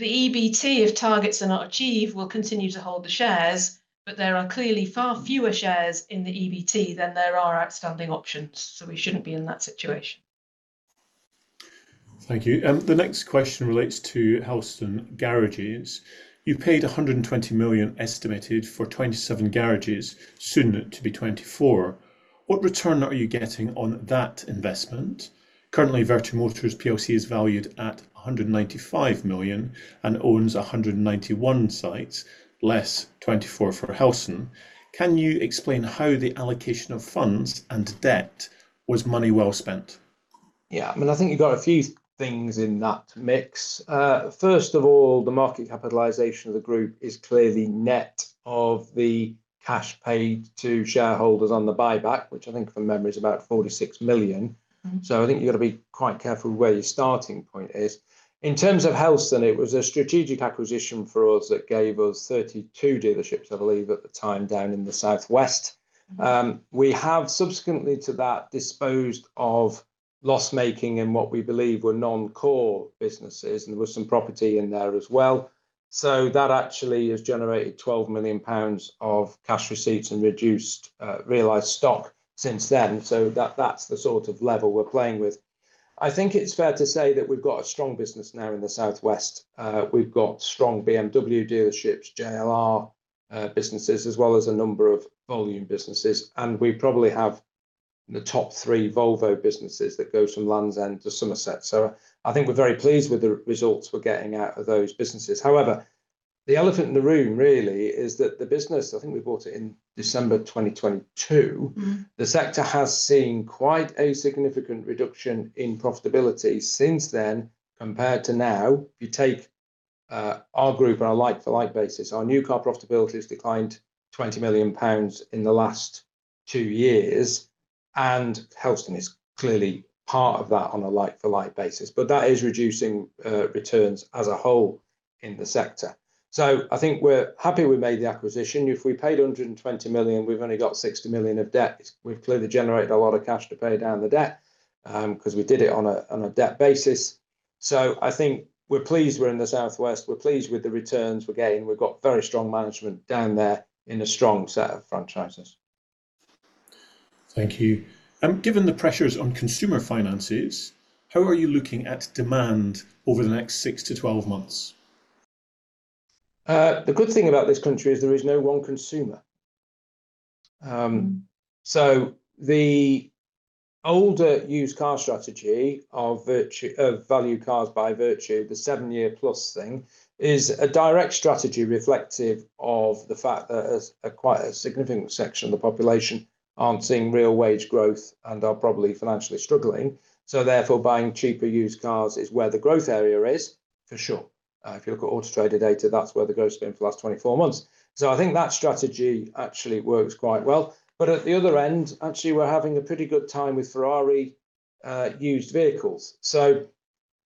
EBT, if targets are not achieved, will continue to hold the shares. There are clearly far fewer shares in the EBT than there are outstanding options, so we shouldn't be in that situation. Thank you. The next question relates to Helston Garages. You paid 120 million estimated for 27 garages, soon to be 24, what return are you getting on that investment? Currently, Vertu Motors plc is valued at 195 million and owns 191 sites, less 24 for Helston. Can you explain how the allocation of funds and debt was money well spent? Yeah. I mean, I think you've got a few things in that mix. First of all, the market capitalization of the group is clearly net of the cash paid to shareholders on the buyback, which I think from memory is about 46 million. I think you've gotta be quite careful where your starting point is. In terms of Helston, it was a strategic acquisition for us that gave us 32 dealerships, I believe, at the time down in the southwest. We have subsequently to that disposed of loss-making and what we believe were non-core businesses, and there was some property in there as well. That actually has generated 12 million pounds of cash receipts and reduced realized stock since then. That's the sort of level we're playing with. I think it's fair to say that we've got a strong business now in the southwest. We've got strong BMW dealerships, JLR businesses, as well as a number of volume businesses, and we probably have the top three Volvo businesses that go from Land's End to Somerset. I think we're very pleased with the results we're getting out of those businesses. However, the elephant in the room really is that the business, I think we bought it in December 2022. The sector has seen quite a significant reduction in profitability since then compared to now. You take our group on a like-for-like basis, our new car profitability has declined 20 million pounds in the last two years, and Helston is clearly part of that on a like-for-like basis. That is reducing returns as a whole in the sector. I think we're happy we made the acquisition. If we paid 120 million, we've only got 60 million of debt. We've clearly generated a lot of cash to pay down the debt, 'cause we did it on a, on a debt basis. I think we're pleased we're in the southwest. We're pleased with the returns we're getting. We've got very strong management down there in a strong set of franchises. Thank you. Given the pressures on consumer finances, how are you looking at demand over the next six-to-12 months? The good thing about this country is there is no one consumer. The older used car strategy of Value Cars by Vertu, the seven-year plus thing, is a direct strategy reflective of the fact that a quite a significant section of the population aren't seeing real wage growth and are probably financially struggling, so therefore buying cheaper used cars is where the growth area is, for sure. If you look at Auto Trader data, that's where the growth's been for the last 24 months. I think that strategy actually works quite well. At the other end, actually, we're having a pretty good time with Ferrari, used vehicles.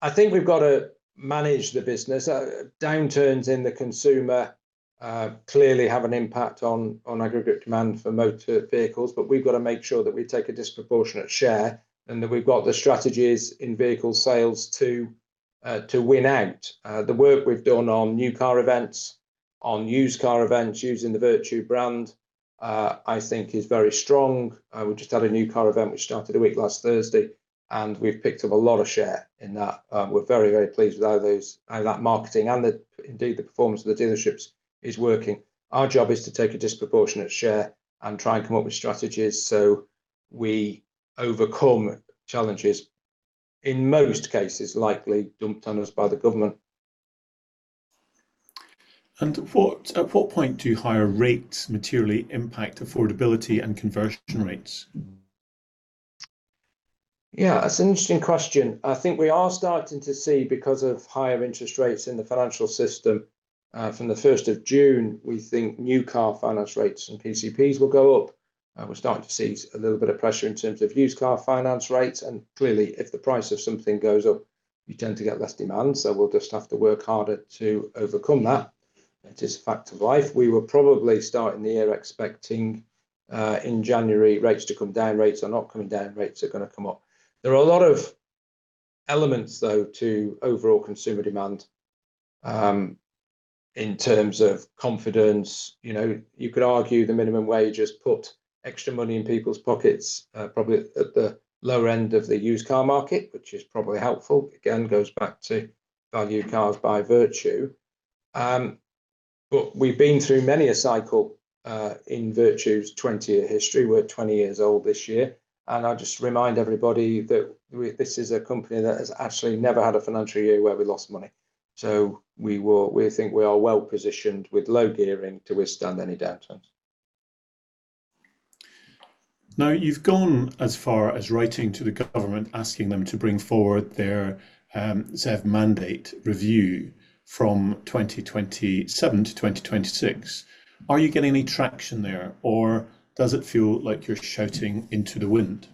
I think we've got to manage the business. Downturns in the consumer clearly have an impact on aggregate demand for motor vehicles, but we've got to make sure that we take a disproportionate share and that we've got the strategies in vehicle sales to win out. The work we've done on new car events, on used car events using the Vertu brand, I think is very strong. We've just had a new car event which started a week last Thursday, and we've picked up a lot of share in that. We're very, very pleased with how that marketing and indeed the performance of the dealerships is working. Our job is to take a disproportionate share and try and come up with strategies so we overcome challenges, in most cases likely dumped on us by the government. At what point do higher rates materially impact affordability and conversion rates? Yeah, that's an interesting question. I think we are starting to see, because of higher interest rates in the financial system, from the 1 June, we think new car finance rates and PCPs will go up. We're starting to see a little bit of pressure in terms of used car finance rates, and clearly if the price of something goes up, you tend to get less demand, so we'll just have to work harder to overcome that. It is a fact of life. We were probably starting the year expecting, in January rates to come down. Rates are not coming down. Rates are gonna come up. There are a lot of elements, though, to overall consumer demand, in terms of confidence. You know, you could argue the minimum wage has put extra money in people's pockets, probably at the lower end of the used car market, which is probably helpful. Again, goes back to Value Cars by Vertu. We've been through many a cycle in Vertu's 20-year history. We're 20 years old this year, I'd just remind everybody that this is a company that has actually never had a financial year where we lost money. We think we are well-positioned with low gearing to withstand any downturn. Now, you've gone as far as writing to the government asking them to bring forward their ZEV mandate review from 2027 to 2026. Are you getting any traction there, or does it feel like you're shouting into the wind?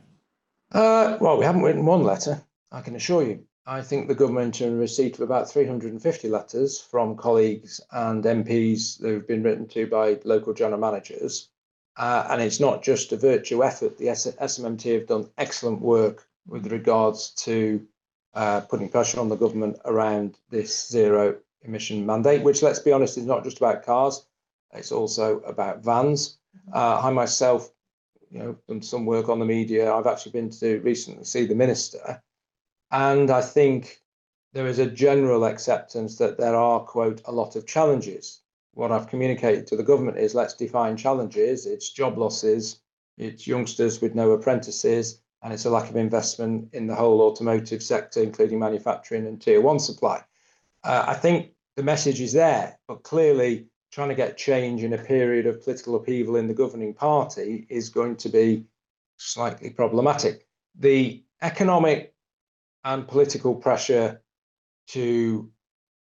Well, we haven't written one letter, I can assure you. I think the government are in receipt of about 350 letters from colleagues and MPs that have been written to by local general managers. It's not just a Vertu effort. The SMMT have done excellent work with regards to putting pressure on the government around this Zero Emission mandate, which, let's be honest, is not just about cars. It's also about vans. I myself, you know, have done some work on the media. I've actually been to recently see the minister, I think there is a general acceptance that there are, quote, "A lot of challenges." What I've communicated to the government is, let's define challenges. It's job losses, it's youngsters with no apprentices, and it's a lack of investment in the whole automotive sector, including manufacturing and tier one supply. I think the message is there, but clearly trying to get change in a period of political upheaval in the governing party is going to be slightly problematic. The economic and political pressure to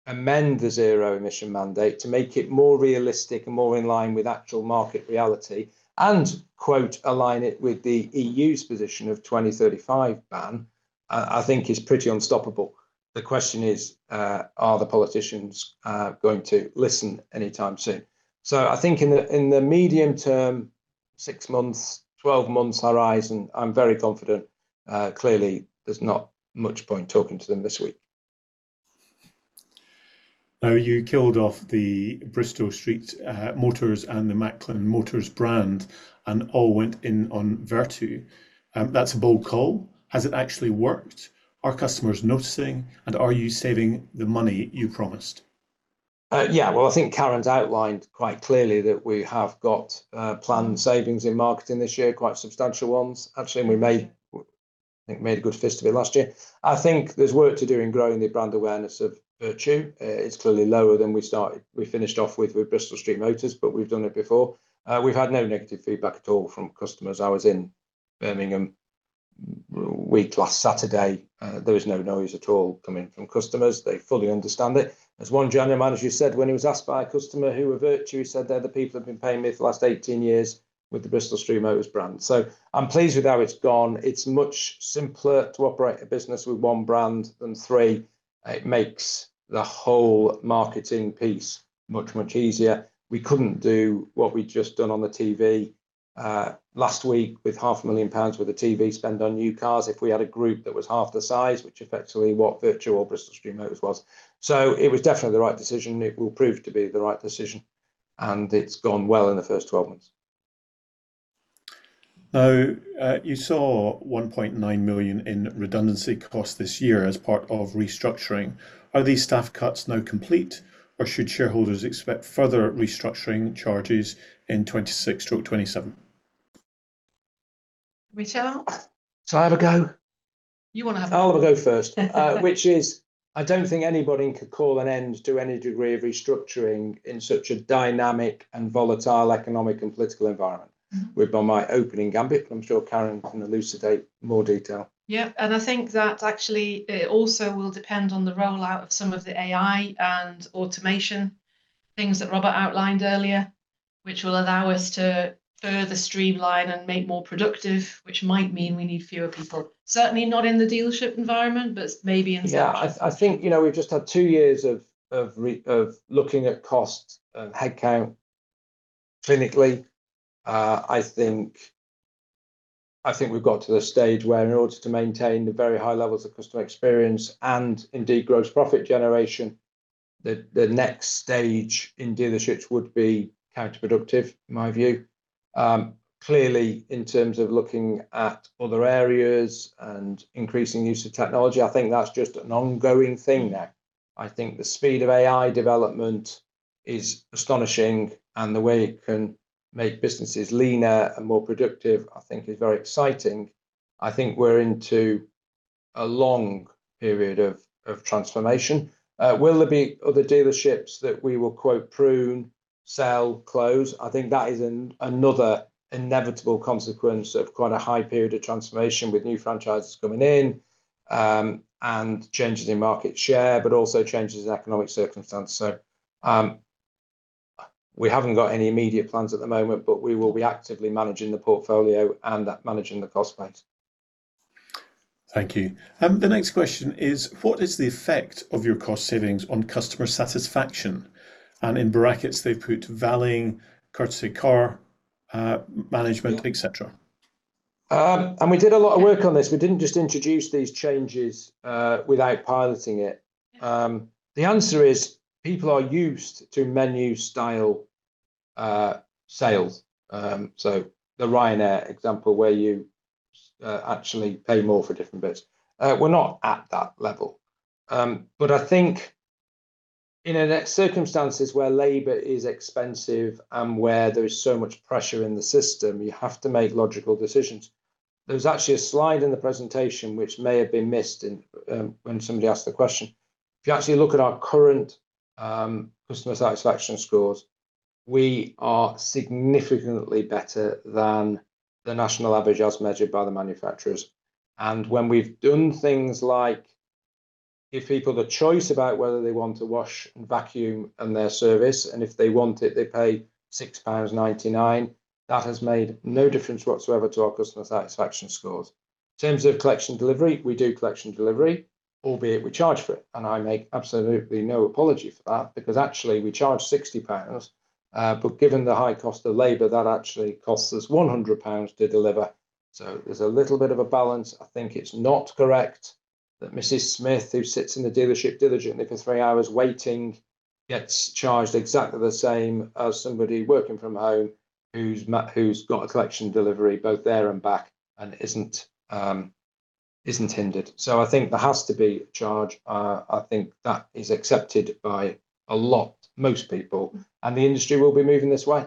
amend the Zero Emission Mandate to make it more realistic and more in line with actual market reality and, quote, "Align it with the EU's position of 2035 ban," I think is pretty unstoppable. The question is, are the politicians going to listen anytime soon? I think in the, in the medium term, six months, 12 months horizon, I'm very confident. Clearly there's not much point talking to them this week. Now, you killed off the Bristol Street Motors and the Macklin Motors brand and all went in on Vertu. That's a bold call. Has it actually worked? Are customers noticing? Are you saving the money you promised? Well, I think Karen's outlined quite clearly that we have got planned savings in marketing this year, quite substantial ones. Actually, we I think made a good fist of it last year. I think there's work to do in growing the brand awareness of Vertu. It's clearly lower than we started, we finished off with Bristol Street Motors, but we've done it before. We've had no negative feedback at all from customers. I was in Birmingham a week last Saturday. There was no noise at all coming from customers. They fully understand it. As one general manager said when he was asked by a customer, "Who are Vertu?" He said, "They're the people that have been paying me for the last 18 years with the Bristol Street Motors brand." I'm pleased with how it's gone. It's much simpler to operate a business with one brand than three. It makes the whole marketing piece much, much easier. We couldn't do what we'd just done on the TV last week with half a million pounds worth of TV spend on new cars if we had a group that was half the size, which effectively what Vertu or Bristol Street Motors was. It was definitely the right decision. It will prove to be the right decision, and it's gone well in the first 12 months. You saw 1.9 million in redundancy costs this year as part of restructuring. Are these staff cuts now complete, or should shareholders expect further restructuring charges in 2026 through to 2027? Richard? Shall I have a go? You wanna have a go. I'll have a go first. I don't think anybody could call an end to any degree of restructuring in such a dynamic and volatile economic and political environment. With my opening gambit, I am sure Karen can elucidate more detail. Yeah. I think that actually it also will depend on the rollout of some of the AI and automation things that Robert outlined earlier, which will allow us to further streamline and make more productive, which might mean we need fewer people. Certainly not in the dealership environment, but maybe in central. Yeah. I think, we've just had two years of looking at costs and headcount clinically. I think we've got to the stage where in order to maintain the very high levels of customer experience and indeed gross profit generation, the next stage in dealerships would be counterproductive, in my view. Clearly in terms of looking at other areas and increasing use of technology, I think that's just an ongoing thing now. I think the speed of AI development is astonishing, and the way it can make businesses leaner and more productive, I think is very exciting. I think we're into a long period of transformation. Will there be other dealerships that we will quote, "prune, sell, close"? I think that is another inevitable consequence of quite a high period of transformation with new franchises coming in, and changes in market share, but also changes in economic circumstance. We haven't got any immediate plans at the moment, but we will be actively managing the portfolio and managing the cost base. Thank you. The next question is, what is the effect of your cost savings on customer satisfaction? In brackets they've put valeting, courtesy car, management, et cetera. We did a lot of work on this. We didn't just introduce these changes without piloting it. The answer is people are used to menu style sales. The Ryanair example where you actually pay more for different bits. We're not at that level. I think, you know, in circumstances where labor is expensive and where there is so much pressure in the system, you have to make logical decisions. There was actually a slide in the presentation which may have been missed in when somebody asked the question. If you actually look at our current customer satisfaction scores, we are significantly better than the national average as measured by the manufacturers. When we've done things like give people the choice about whether they want a wash and vacuum and their service, if they want it they pay 6.99 pounds, that has made no difference whatsoever to our customer satisfaction scores. In terms of collection delivery, we do collection delivery, albeit we charge for it, I make absolutely no apology for that because actually we charge 60 pounds. Given the high cost of labor, that actually costs us 100 pounds to deliver. There's a little bit of a balance. I think it's not correct that Mrs. Smith, who sits in the dealership diligently for three hours waiting, gets charged exactly the same as somebody working from home who's got a collection delivery both there and back and isn't hindered. I think there has to be a charge. I think that is accepted by a lot, most people, and the industry will be moving this way,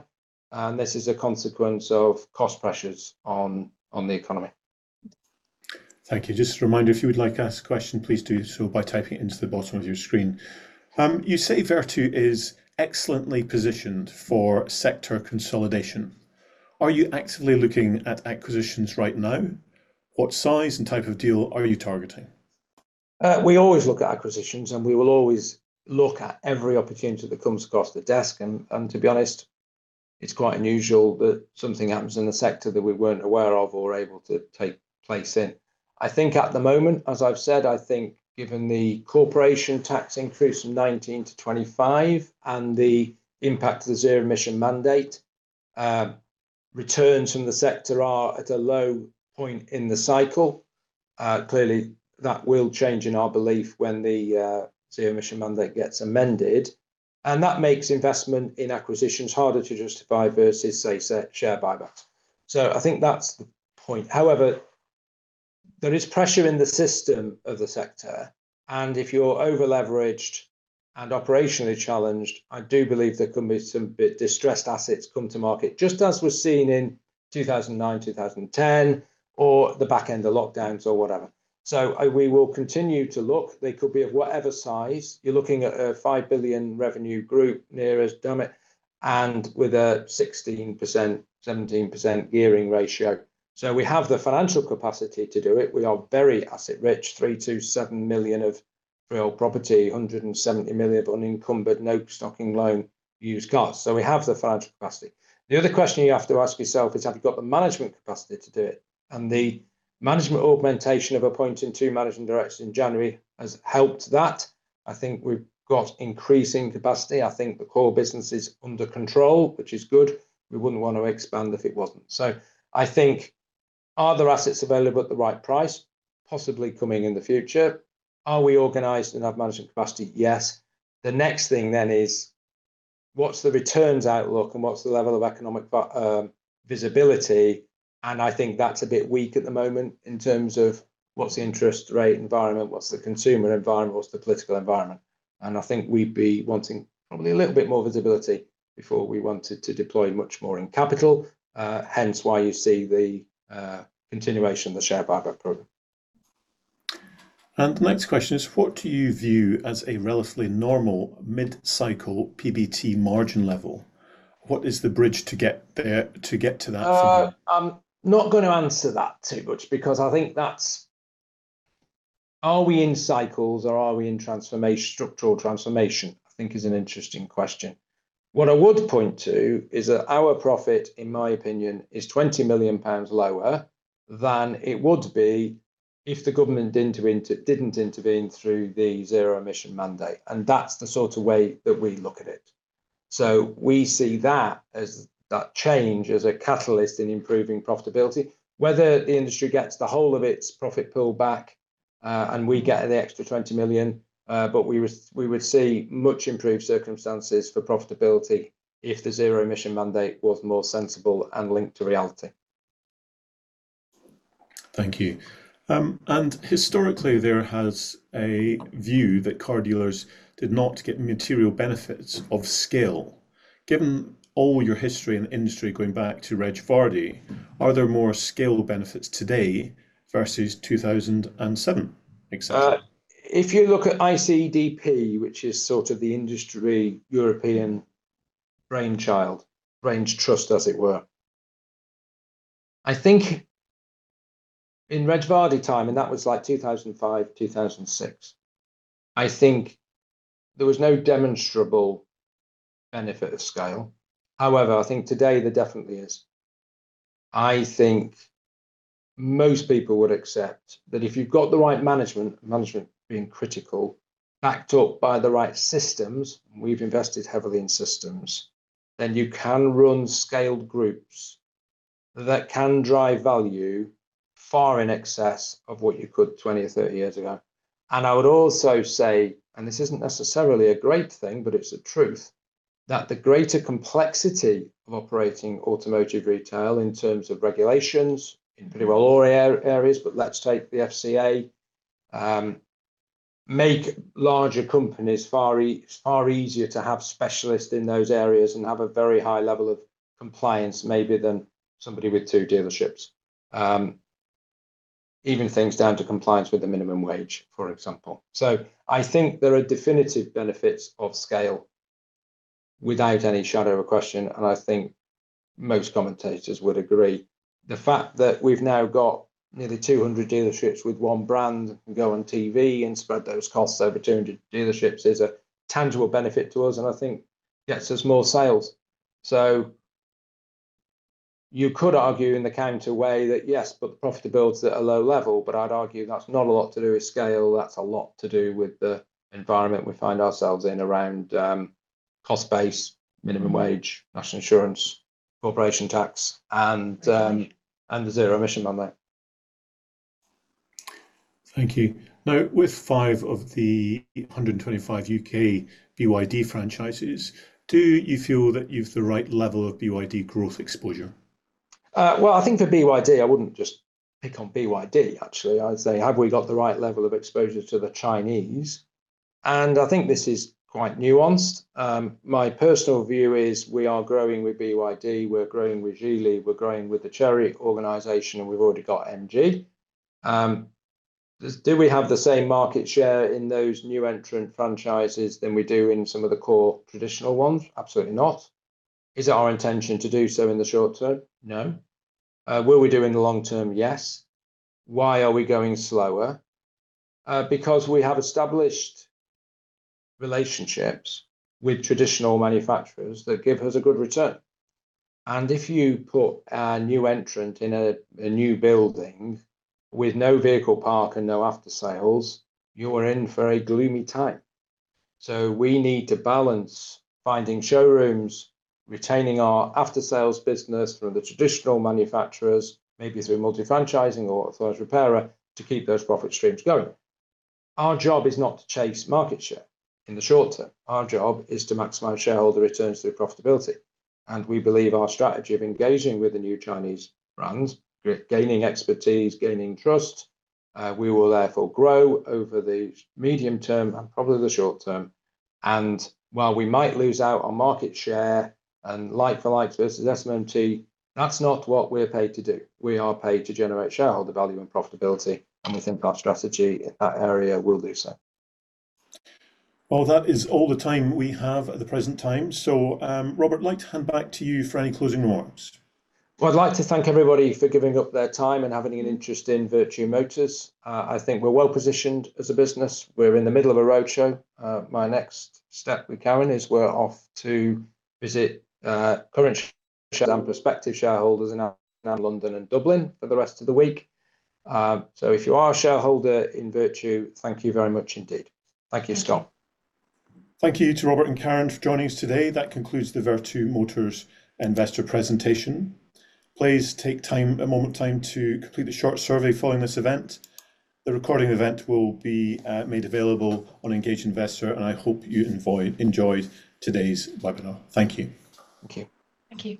and this is a consequence of cost pressures on the economy. Thank you. Just a reminder, if you would like to ask a question, please do so by typing it into the bottom of your screen. You say Vertu is excellently positioned for sector consolidation. Are you actively looking at acquisitions right now? What size and type of deal are you targeting? We always look at acquisitions, and we will always look at every opportunity that comes across the desk and to be honest, it's quite unusual that something happens in the sector that we weren't aware of or able to take place in. I think at the moment, as I've said, I think given the corporation tax increase from 19 to 25 and the impact of the Zero Emission mandate, returns from the sector are at a low point in the cycle. Clearly that will change in our belief when the Zero Emission mandate gets amended, and that makes investment in acquisitions harder to justify versus, say, share buyback. I think that's the point. However, there is pressure in the system of the sector, and if you're over-leveraged and operationally challenged, I do believe there could be some distressed assets come to market, just as we're seeing in 2009, 2010, or the back end of lockdowns or whatever. We will continue to look. They could be of whatever size. You're looking at a 5 billion revenue group, near as damn it, and with a 16%, 17% gearing ratio. We have the financial capacity to do it. We are very asset rich, 3 million-7 million of real property, 170 million of unencumbered, no stocking loan used cars. We have the financial capacity. The other question you have to ask yourself is have you got the management capacity to do it? The management augmentation of appointing two managing directors in January has helped that. I think we've got increasing capacity. I think the core business is under control, which is good. We wouldn't want to expand if it wasn't. I think are there assets available at the right price possibly coming in the future? Are we organized and have management capacity? Yes. The next thing then is what's the returns outlook and what's the level of economic visibility? I think that's a bit weak at the moment in terms of what's the interest rate environment, what's the consumer environment, what's the political environment. I think we'd be wanting probably a little bit more visibility before we wanted to deploy much more in capital, hence why you see the continuation of the share buyback program. The next question is, what do you view as a relatively normal mid-cycle PBT margin level? What is the bridge to get there, to get to that from here? I'm not gonna answer that too much because I think that's, are we in cycles or are we in structural transformation, I think is an interesting question. What I would point to is that our profit, in my opinion, is 20 million pounds lower than it would be if the government didn't intervene through the Zero Emission Vehicle mandate, and that's the sort of way that we look at it. We see that as that change as a catalyst in improving profitability. Whether the industry gets the whole of its profit pool back, and we get the extra 20 million, we would see much improved circumstances for profitability if the Zero Emission Vehicle mandate was more sensible and linked to reality. Thank you. Historically, there has a view that car dealers did not get material benefits of scale. Given all your history in the industry going back to Reg Vardy, are there more scale benefits today versus 2007, et cetera? If you look at ICDP, which is sort of the industry European brain trust as it were. I think in Reg Vardy time, and that was like 2005, 2006, I think there was no demonstrable benefit of scale. However, I think today there definitely is. I think most people would accept that if you've got the right management being critical, backed up by the right systems, we've invested heavily in systems, then you can run scaled groups that can drive value far in excess of what you could 20 or 30 years ago. I would also say, and this isn't necessarily a great thing, but it's a truth, that the greater complexity of operating automotive retail in terms of regulations in pretty well all areas, but let's take the FCA, make larger companies far easier to have specialists in those areas and have a very high level of compliance maybe than somebody with two dealerships. Even things down to compliance with the minimum wage, for example. I think there are definitive benefits of scale without any shadow of a question, and I think most commentators would agree. The fact that we've now got nearly 200 dealerships with one brand go on TV and spread those costs over 200 dealerships is a tangible benefit to us, and I think gets us more sales. You could argue in the counter way that, yes, the profitability's at a low level. I'd argue that's not a lot to do with scale. That's a lot to do with the environment we find ourselves in around cost base, minimum wage, national insurance, corporation tax, and the Zero Emission Vehicle mandate. Thank you. With five of the 125 U.K. BYD franchises, do you feel that you've the right level of BYD growth exposure? Well, I think for BYD, I wouldn't just pick on BYD, actually. I'd say have we got the right level of exposure to the Chinese? I think this is quite nuanced. My personal view is we are growing with BYD. We're growing with Geely. We're growing with the Chery organization, and we've already got MG. Do we have the same market share in those new entrant franchises than we do in some of the core traditional ones? Absolutely not. Is it our intention to do so in the short term? No. Will we do in the long term? Yes. Why are we going slower? Because we have established relationships with traditional manufacturers that give us a good return. If you put a new entrant in a new building with no vehicle park and no aftersales, you are in for a gloomy time. We need to balance finding showrooms, retaining our aftersales business from the traditional manufacturers, maybe through multi-franchising or authorized repairer, to keep those profit streams going. Our job is not to chase market share in the short term. Our job is to maximize shareholder returns through profitability, and we believe our strategy of engaging with the new Chinese brands, gaining expertise, gaining trust, we will therefore grow over the medium term and probably the short term. While we might lose out on market share and like for like versus SMMT, that's not what we're paid to do. We are paid to generate shareholder value and profitability, and we think our strategy in that area will do so. Well, that is all the time we have at the present time. Robert, I'd like to hand back to you for any closing remarks. Well, I'd like to thank everybody for giving up their time and having an interest in Vertu Motors. I think we're well positioned as a business. We're in the middle of a roadshow. My next step with Karen is we're off to visit current shareholders and prospective shareholders in London and Dublin for the rest of the week. If you are a shareholder in Vertu, thank you very much indeed. Thank you, Scott. Thank you to Robert and Karen for joining us today. That concludes the Vertu Motors investor presentation. Please take time, a moment time to complete the short survey following this event. The recording event will be made available on Investor Meet Company, and I hope you enjoyed today's webinar. Thank you. Thank you. Thank you.